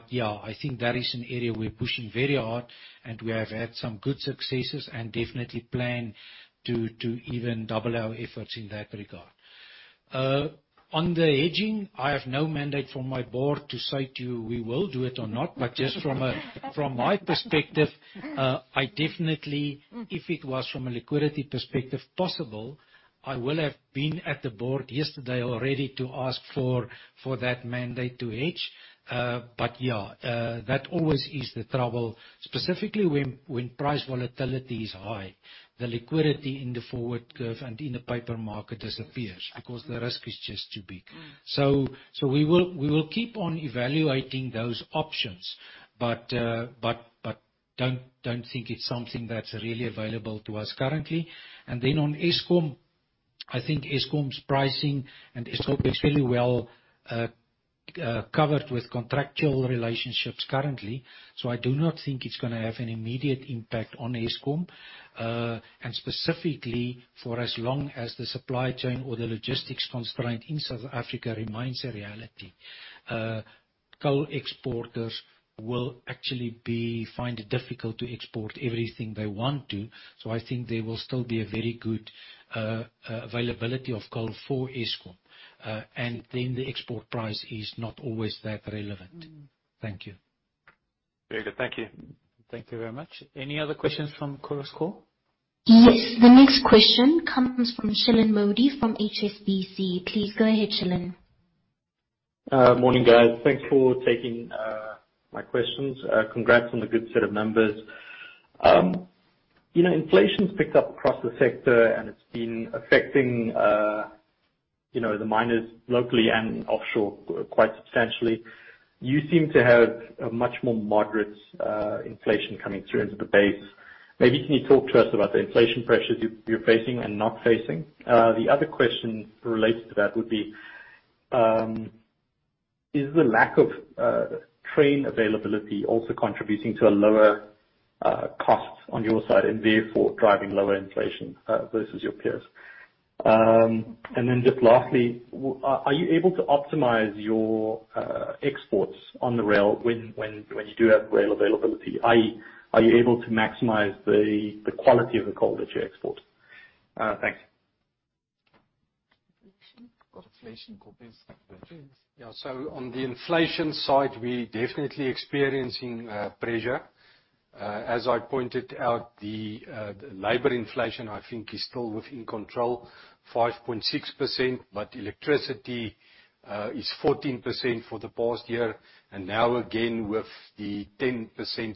Yeah, I think that is an area we're pushing very hard and we have had some good successes and definitely plan to even double our efforts in that regard. On the hedging, I have no mandate from my board to say to you we will do it or not. Just from my perspective, I definitely if it was from a liquidity perspective possible, I will have been at the board yesterday already to ask for that mandate to hedge. Yeah, that always is the trouble, specifically when price volatility is high. The liquidity in the forward curve and in the paper market disappears because the risk is just too big. Mm-hmm. We will keep on evaluating those options. Don't think it's something that's really available to us currently. Then on Eskom, I think Eskom's pricing and Eskom is very well covered with contractual relationships currently. I do not think it's gonna have an immediate impact on Eskom. Specifically for as long as the supply chain or the logistics constraint in South Africa remains a reality. Coal exporters will actually find it difficult to export everything they want to. I think there will still be a very good availability of coal for Eskom. Then the export price is not always that relevant. Mm-hmm. Thank you. Very good. Thank you. Thank you very much. Any other questions from Chorus Call? Yes. The next question comes from Shilan Modi from HSBC. Please go ahead, Shilan. Morning, guys. Thanks for taking my questions. Congrats on the good set of numbers. You know, inflation's picked up across the sector and it's been affecting, you know, the miners locally and offshore quite substantially. You seem to have a much more moderate inflation coming through into the base. Maybe can you talk to us about the inflation pressures you're facing and not facing? The other question related to that would be, is the lack of train availability also contributing to a lower cost on your side and therefore driving lower inflation versus your peers? Just lastly, are you able to optimize your exports on the rail when you do have rail availability, i.e., are you able to maximize the quality of the coal that you export? Thanks. Inflation. Got inflation. On the inflation side, we're definitely experiencing pressure. As I pointed out, the labor inflation, I think is still within control, 5.6%, but electricity is 14% for the past year. Now again, with the 10%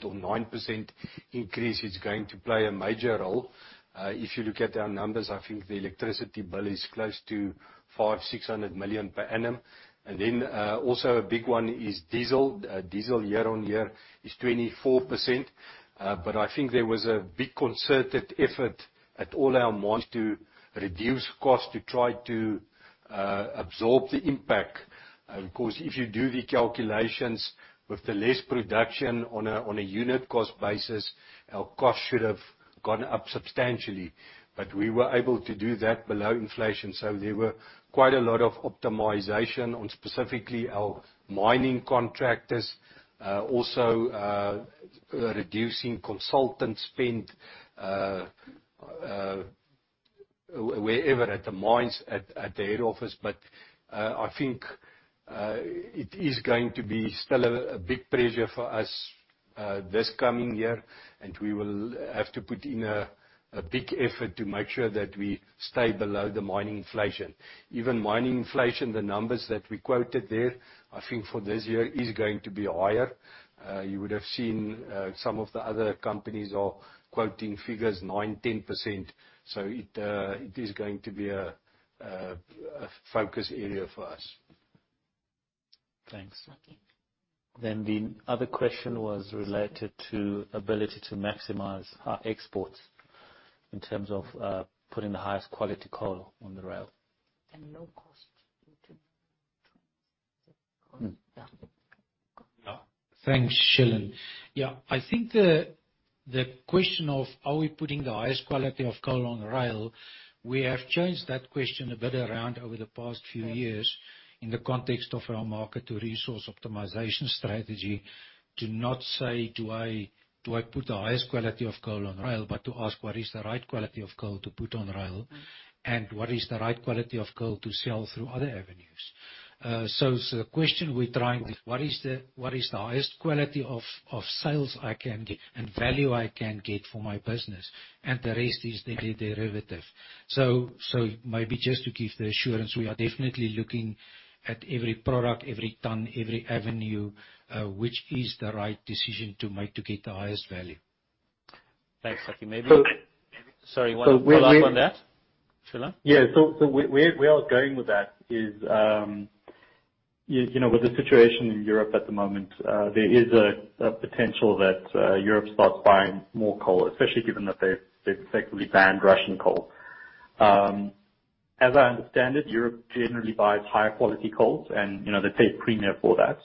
or 9% increase, it's going to play a major role. If you look at our numbers, I think the electricity bill is close to 500-600 million per annum. Then, also a big one is diesel. Diesel year-on-year is 24%. I think there was a big concerted effort at all our mines to reduce costs to try to absorb the impact. Of course, if you do the calculations with the less production on a unit cost basis, our costs should have gone up substantially. We were able to do that below inflation. There were quite a lot of optimization on specifically our mining contractors, also, reducing consultant spend, wherever at the mines at the head office. I think it is going to be still a big pressure for us this coming year, and we will have to put in a big effort to make sure that we stay below the mining inflation. Even mining inflation, the numbers that we quoted there, I think for this year is going to be higher. You would have seen some of the other companies are quoting figures 9%-10%. It is going to be a focus area for us. Thanks. Okay. The other question was related to ability to maximize our exports in terms of putting the highest quality coal on the rail. Low cost. Yeah. Thanks, Shilan. Yeah, I think the question of are we putting the highest quality of coal on rail, we have changed that question a bit around over the past few years in the context of our market to resource optimization strategy, to not say, "Do I put the highest quality of coal on rail?" But to ask, "What is the right quality of coal to put on rail? And what is the right quality of coal to sell through other avenues?" So the question we're trying is, what is the highest quality of sales I can get and value I can get for my business? And the rest is the derivative. Maybe just to give the assurance, we are definitely looking at every product, every ton, every avenue, which is the right decision to make to get the highest value. Thanks, Sakkie. So- Sorry, wanna follow up on that, Shilan? Where I was going with that is, you know, with the situation in Europe at the moment, there is a potential that Europe starts buying more coal, especially given that they've effectively banned Russian coal. As I understand it, Europe generally buys higher quality coals and, you know, they pay a premium for that.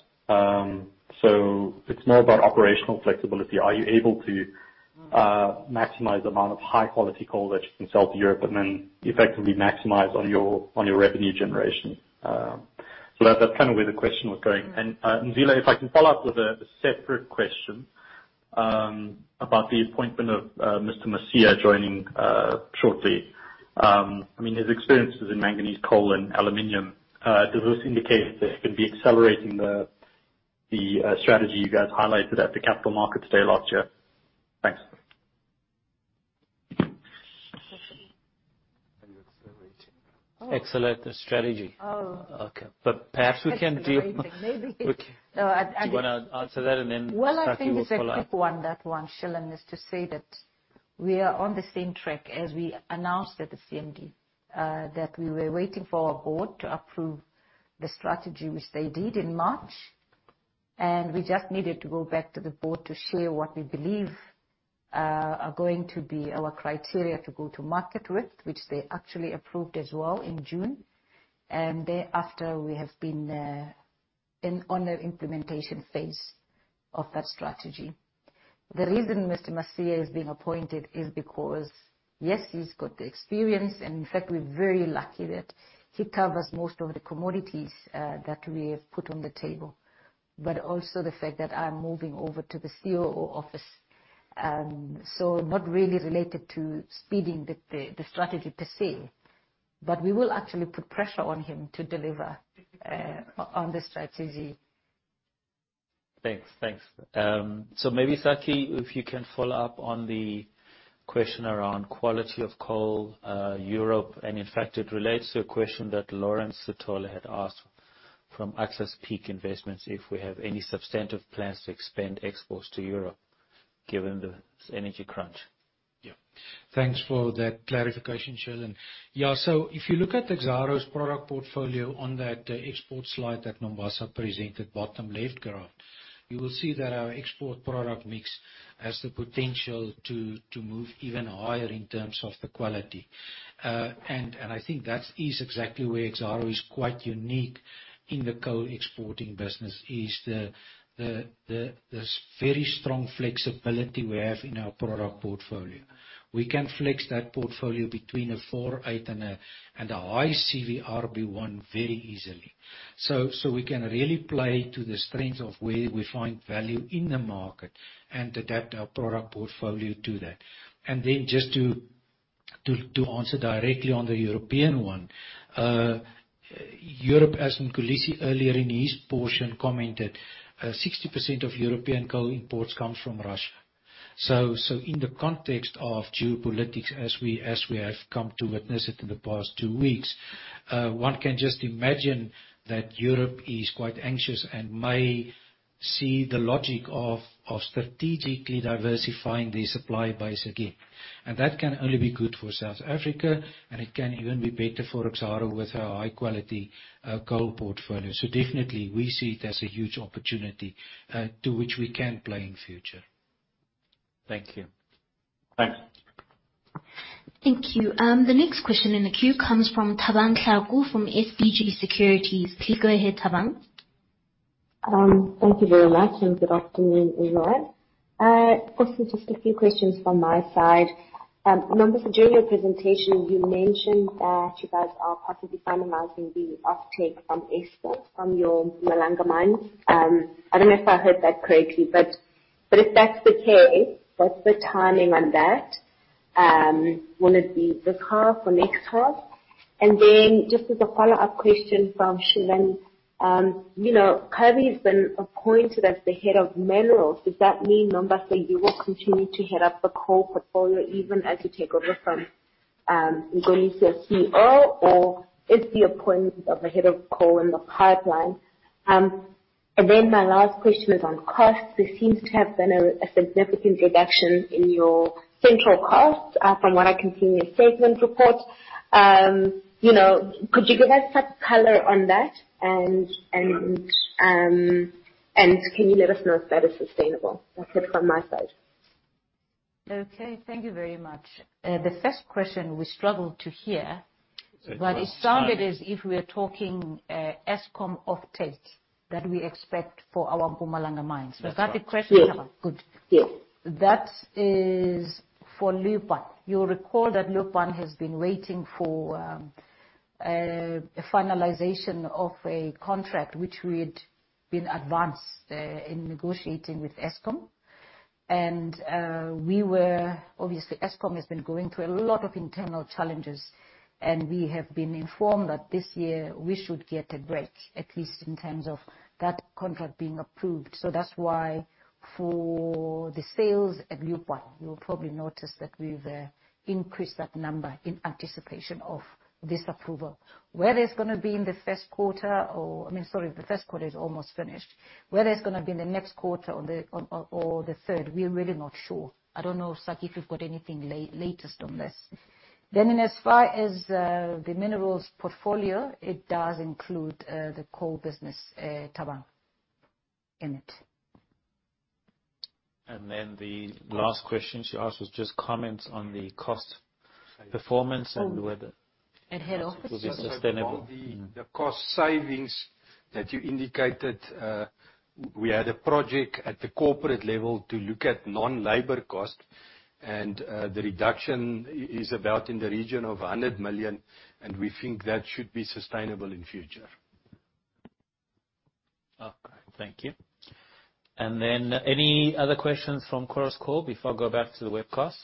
So it's more about operational flexibility. Are you able to maximize the amount of high quality coal that you can sell to Europe, and then effectively maximize on your revenue generation? That's kinda where the question was going. Mzila, if I can follow up with a separate question about the appointment of Mr. Masia joining shortly. I mean, his experience is in manganese, coal, and aluminum. Does this indicate that he's gonna be accelerating the strategy you guys highlighted at the Capital Markets Day last year? Thanks. Are you accelerating? Accelerate the strategy. Oh. Okay. Perhaps we can deal with. Maybe. No, I-I- Do you wanna answer that and then Sakkie will follow up? Well, I think the quick one, that one, Shilan, is to say that we are on the same track as we announced at the CMD. That we were waiting for our board to approve the strategy, which they did in March, and we just needed to go back to the board to share what we believe are going to be our criteria to go to market with, which they actually approved as well in June. Thereafter, we have been in on the implementation phase of that strategy. The reason Mr. Masia is being appointed is because, yes, he's got the experience, and in fact, we're very lucky that he covers most of the commodities that we have put on the table. Also the fact that I'm moving over to the COO office. Not really related to speeding up the strategy per se, but we will actually put pressure on him to deliver on the strategy. Thanks. Maybe, Sakkie, if you can follow up on the question around quality of coal, Europe, and in fact, it relates to a question that Lawrence Sithole had asked from AccessPeak Investments, if we have any substantive plans to expand exports to Europe given this energy crunch. Yeah. Thanks for that clarification, Shilan. Yeah, so if you look at Exxaro's product portfolio on that export slide that Nombasa presented, bottom left graph. You will see that our export product mix has the potential to move even higher in terms of the quality. I think that is exactly where Exxaro is quite unique in the coal exporting business, is this very strong flexibility we have in our product portfolio. We can flex that portfolio between a four to eight and a high CVRB1 very easily. We can really play to the strength of where we find value in the market and adapt our product portfolio to that. Just to answer directly on the European one. Europe, as Mxolisi said earlier in his presentation, 60% of European coal imports come from Russia. In the context of geopolitics, as we have come to witness it in the past two weeks, one can just imagine that Europe is quite anxious and may see the logic of strategically diversifying their supply base again. That can only be good for South Africa, and it can even be better for Exxaro with our high quality coal portfolio. Definitely we see it as a huge opportunity in which we can play in future. Thank you. Thanks. Thank you. The next question in the queue comes from Thabang Thlaku from SBG Securities. Please go ahead, Thabang. Thank you very much, and good afternoon, everyone. Also just a few questions from my side. Nombasa, during your presentation, you mentioned that you guys are possibly finalizing the offtake from Eskom from your Mpumalanga mine. I don't know if I heard that correctly, but if that's the case, what's the timing on that? Will it be this half or next half? Just as a follow-up question from Shilan, you know, Kgabi has been appointed as the head of minerals. Does that mean, Nombasa, you will continue to head up the coal portfolio even as you take over from Nkuli as COO, or is the appointment of a head of coal in the pipeline? My last question is on costs. There seems to have been a significant reduction in your central costs from what I can see in your statement report. You know, could you give us some color on that? Can you let us know if that is sustainable? That's it from my side. Okay, thank you very much. The first question we struggled to hear. Sorry about that. It sounded as if we are talking Eskom offtake that we expect for our Mpumalanga mines. Yes. Was that the question? Yes. Good. Yes. That is for Lephalale. You'll recall that Lephalale has been waiting for a finalization of a contract which we'd been advancing in negotiating with Eskom. Obviously, Eskom has been going through a lot of internal challenges, and we have been informed that this year we should get a break, at least in terms of that contract being approved. That's why for the sales at Lephalale, you'll probably notice that we've increased that number in anticipation of this approval. Whether it's gonna be in the first quarter or I mean, sorry, the first quarter is almost finished. Whether it's gonna be in the next quarter or the third, we're really not sure. I don't know, Sakkie, if you've got anything latest on this. Insofar as the minerals portfolio, it does include the coal business, Thabang, in it. The last question she asked was just comments on the cost performance and whether- At head office, yeah. It will be sustainable. The cost savings that you indicated, we had a project at the corporate level to look at non-labor costs. The reduction is about in the region of 100 million, and we think that should be sustainable in future. Okay, thank you. Any other questions from Chorus Call before I go back to the webcast?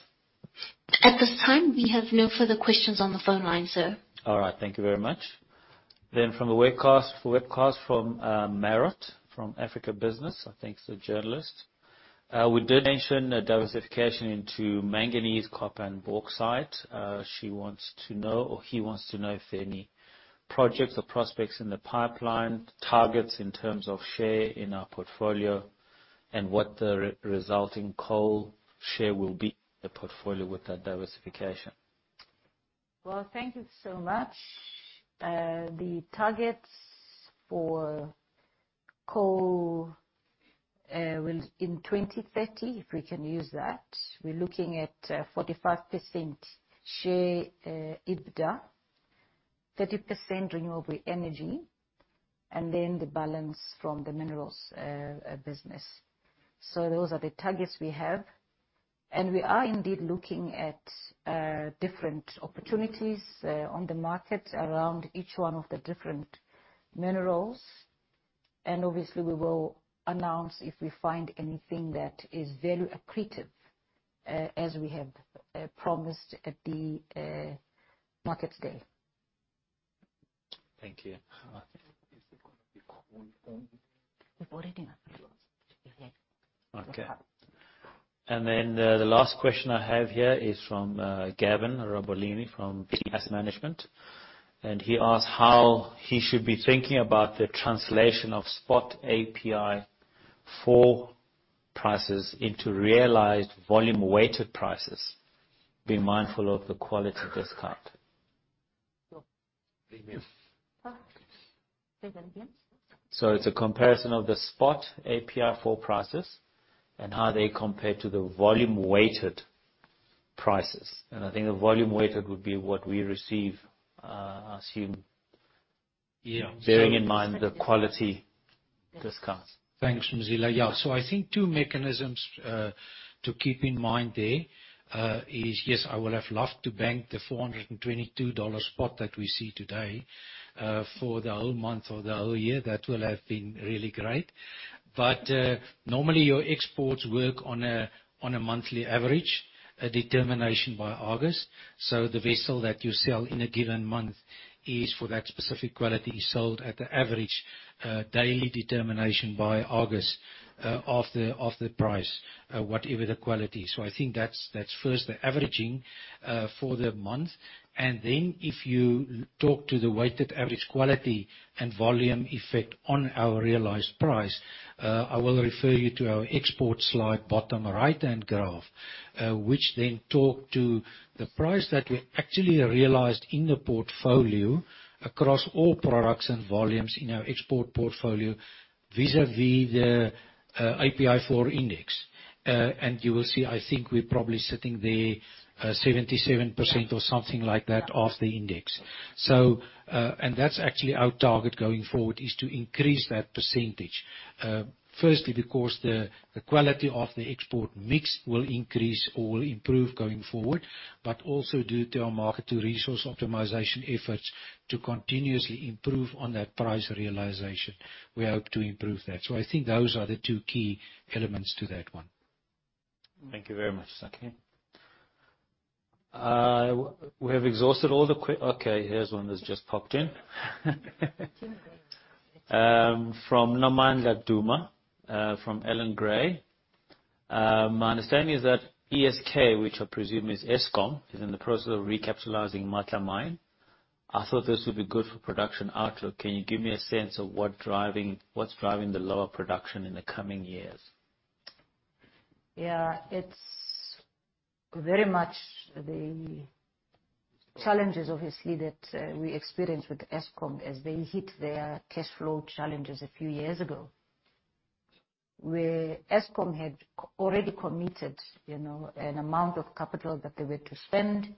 At this time, we have no further questions on the phone line, sir. All right. Thank you very much. From the webcast from Merit from African Business, I think it's a journalist. We did mention diversification into manganese, copper and bauxite. She wants to know, or he wants to know, if there are any projects or prospects in the pipeline, targets in terms of share in our portfolio, and what the resulting coal share will be in the portfolio with that diversification. Well, thank you so much. The targets for coal in 2030, if we can use that, we're looking at 45% share EBITDA, 30% renewable energy, and then the balance from the minerals business. Those are the targets we have. We are indeed looking at different opportunities on the market around each one of the different minerals. Obviously we will announce if we find anything that is value accretive, as we have promised at the market scale. Thank you. Is it gonna be coal only? We've already announced. We have. Okay. The last question I have here is from Gavin Robolini from PS Management. He asked how he should be thinking about the translation of spot API 4 prices into realized volume weighted prices, being mindful of the quality discount. Say that again. It's a comparison of the spot API 4 prices and how they compare to the volume weighted prices. I think the volume weighted would be what we receive, I assume. Yeah. Bearing in mind the quality discounts. Thanks, Mzila. Yeah. I think two mechanisms to keep in mind there is. Yes, I would have loved to bank the $422 spot that we see today for the whole month or the whole year. That would have been really great. Normally your exports work on a monthly average, a determination by Argus. The vessel that you sell in a given month is, for that specific quality, sold at the average daily determination by Argus of the price whatever the quality. I think that's first, the averaging for the month. If you talk to the weighted average quality and volume effect on our realized price, I will refer you to our export slide, bottom right-hand graph, which then talk to the price that we actually realized in the portfolio across all products and volumes in our export portfolio vis-à-vis the API 4 index. You will see, I think we're probably sitting there 77% or something like that of the index. That's actually our target going forward, is to increase that percentage. Firstly because the quality of the export mix will increase or improve going forward, but also due to our market to resource optimization efforts to continuously improve on that price realization. We hope to improve that. I think those are the two key elements to that one. Thank you very much, Sakkie. We have exhausted all the questions. Okay, here's one that's just popped in. 10 minutes. From Nnamdi Duma, from Allan Gray. My understanding is that Eskom, which I presume is Eskom, is in the process of recapitalizing Matla Mine. I thought this would be good for production outlook. Can you give me a sense of what's driving the lower production in the coming years? Yeah. It's very much the challenges obviously that we experienced with Eskom as they hit their cash flow challenges a few years ago, where Eskom had already committed, you know, an amount of capital that they were to spend,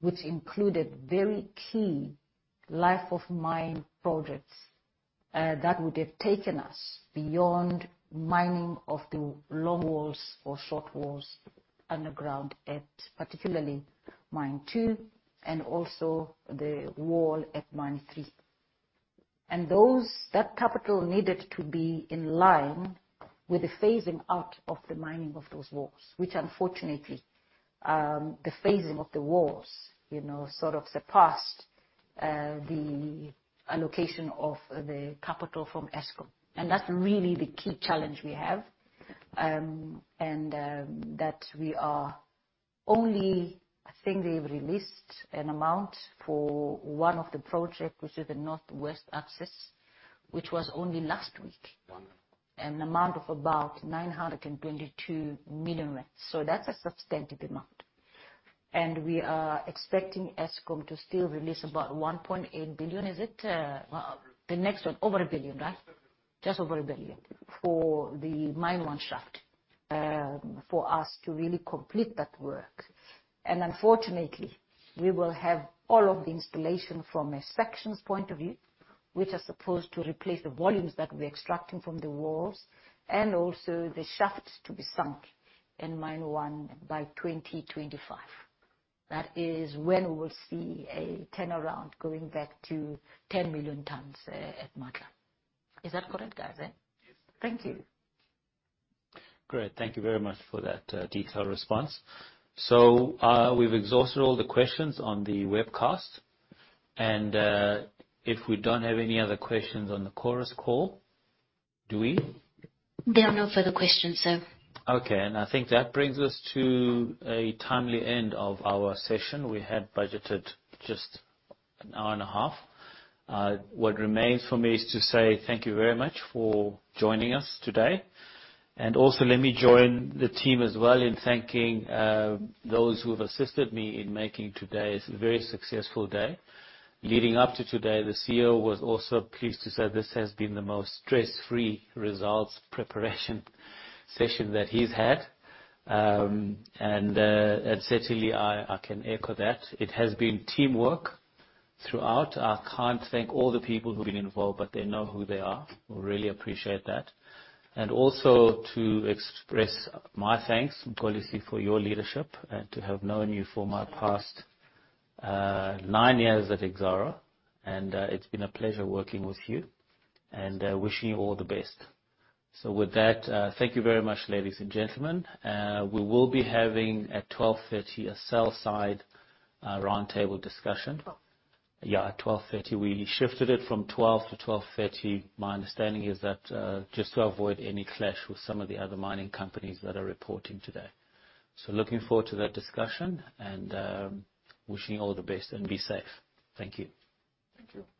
which included very key life of mine projects that would have taken us beyond mining of the long walls or short walls underground at particularly mine 2 and also the wall at mine 3. That capital needed to be in line with the phasing out of the mining of those walls, which unfortunately, the phasing of the walls, you know, sort of surpassed the allocation of the capital from Eskom. That's really the key challenge we have. I think they've released an amount for one of the project, which is the Northwest Access, which was only last week. An amount of about 922 million rand. That's a substantive amount. We are expecting Eskom to still release about 1.8 billion. Is it the next one? Over a billion, right? Just over 1 billion for the Mine 1 shaft for us to really complete that work. Unfortunately, we will have all of the installation from a sections point of view, which are supposed to replace the volumes that we're extracting from the walls and also the shafts to be sunk in Mine 1 by 2025. That is when we will see a turnaround going back to 10 million tons at Matla. Is that correct, guys? Yes. Thank you. Great. Thank you very much for that, detailed response. We've exhausted all the questions on the webcast. If we don't have any other questions on the Chorus Call. Do we? There are no further questions, sir. Okay. I think that brings us to a timely end of our session. We had budgeted just an hour and a half. What remains for me is to say thank you very much for joining us today. Also let me join the team as well in thanking those who have assisted me in making today a very successful day. Leading up to today, the CEO was also pleased to say this has been the most stress-free results preparation session that he's had. Certainly I can echo that. It has been teamwork throughout. I can't thank all the people who've been involved, but they know who they are. We really appreciate that. also to express my thanks, Mxolisi, for your leadership and to have known you for my past nine years at Exxaro, and it's been a pleasure working with you and wishing you all the best. With that, thank you very much, ladies and gentlemen. We will be having at 12:30 P.M a sell-side round table discussion. 12:30 P.M? Yeah, at 12:30 P.M. We shifted it from 12:00 to 12:30. My understanding is that just to avoid any clash with some of the other mining companies that are reporting today. Looking forward to that discussion, and wishing you all the best and be safe. Thank you. Thank you.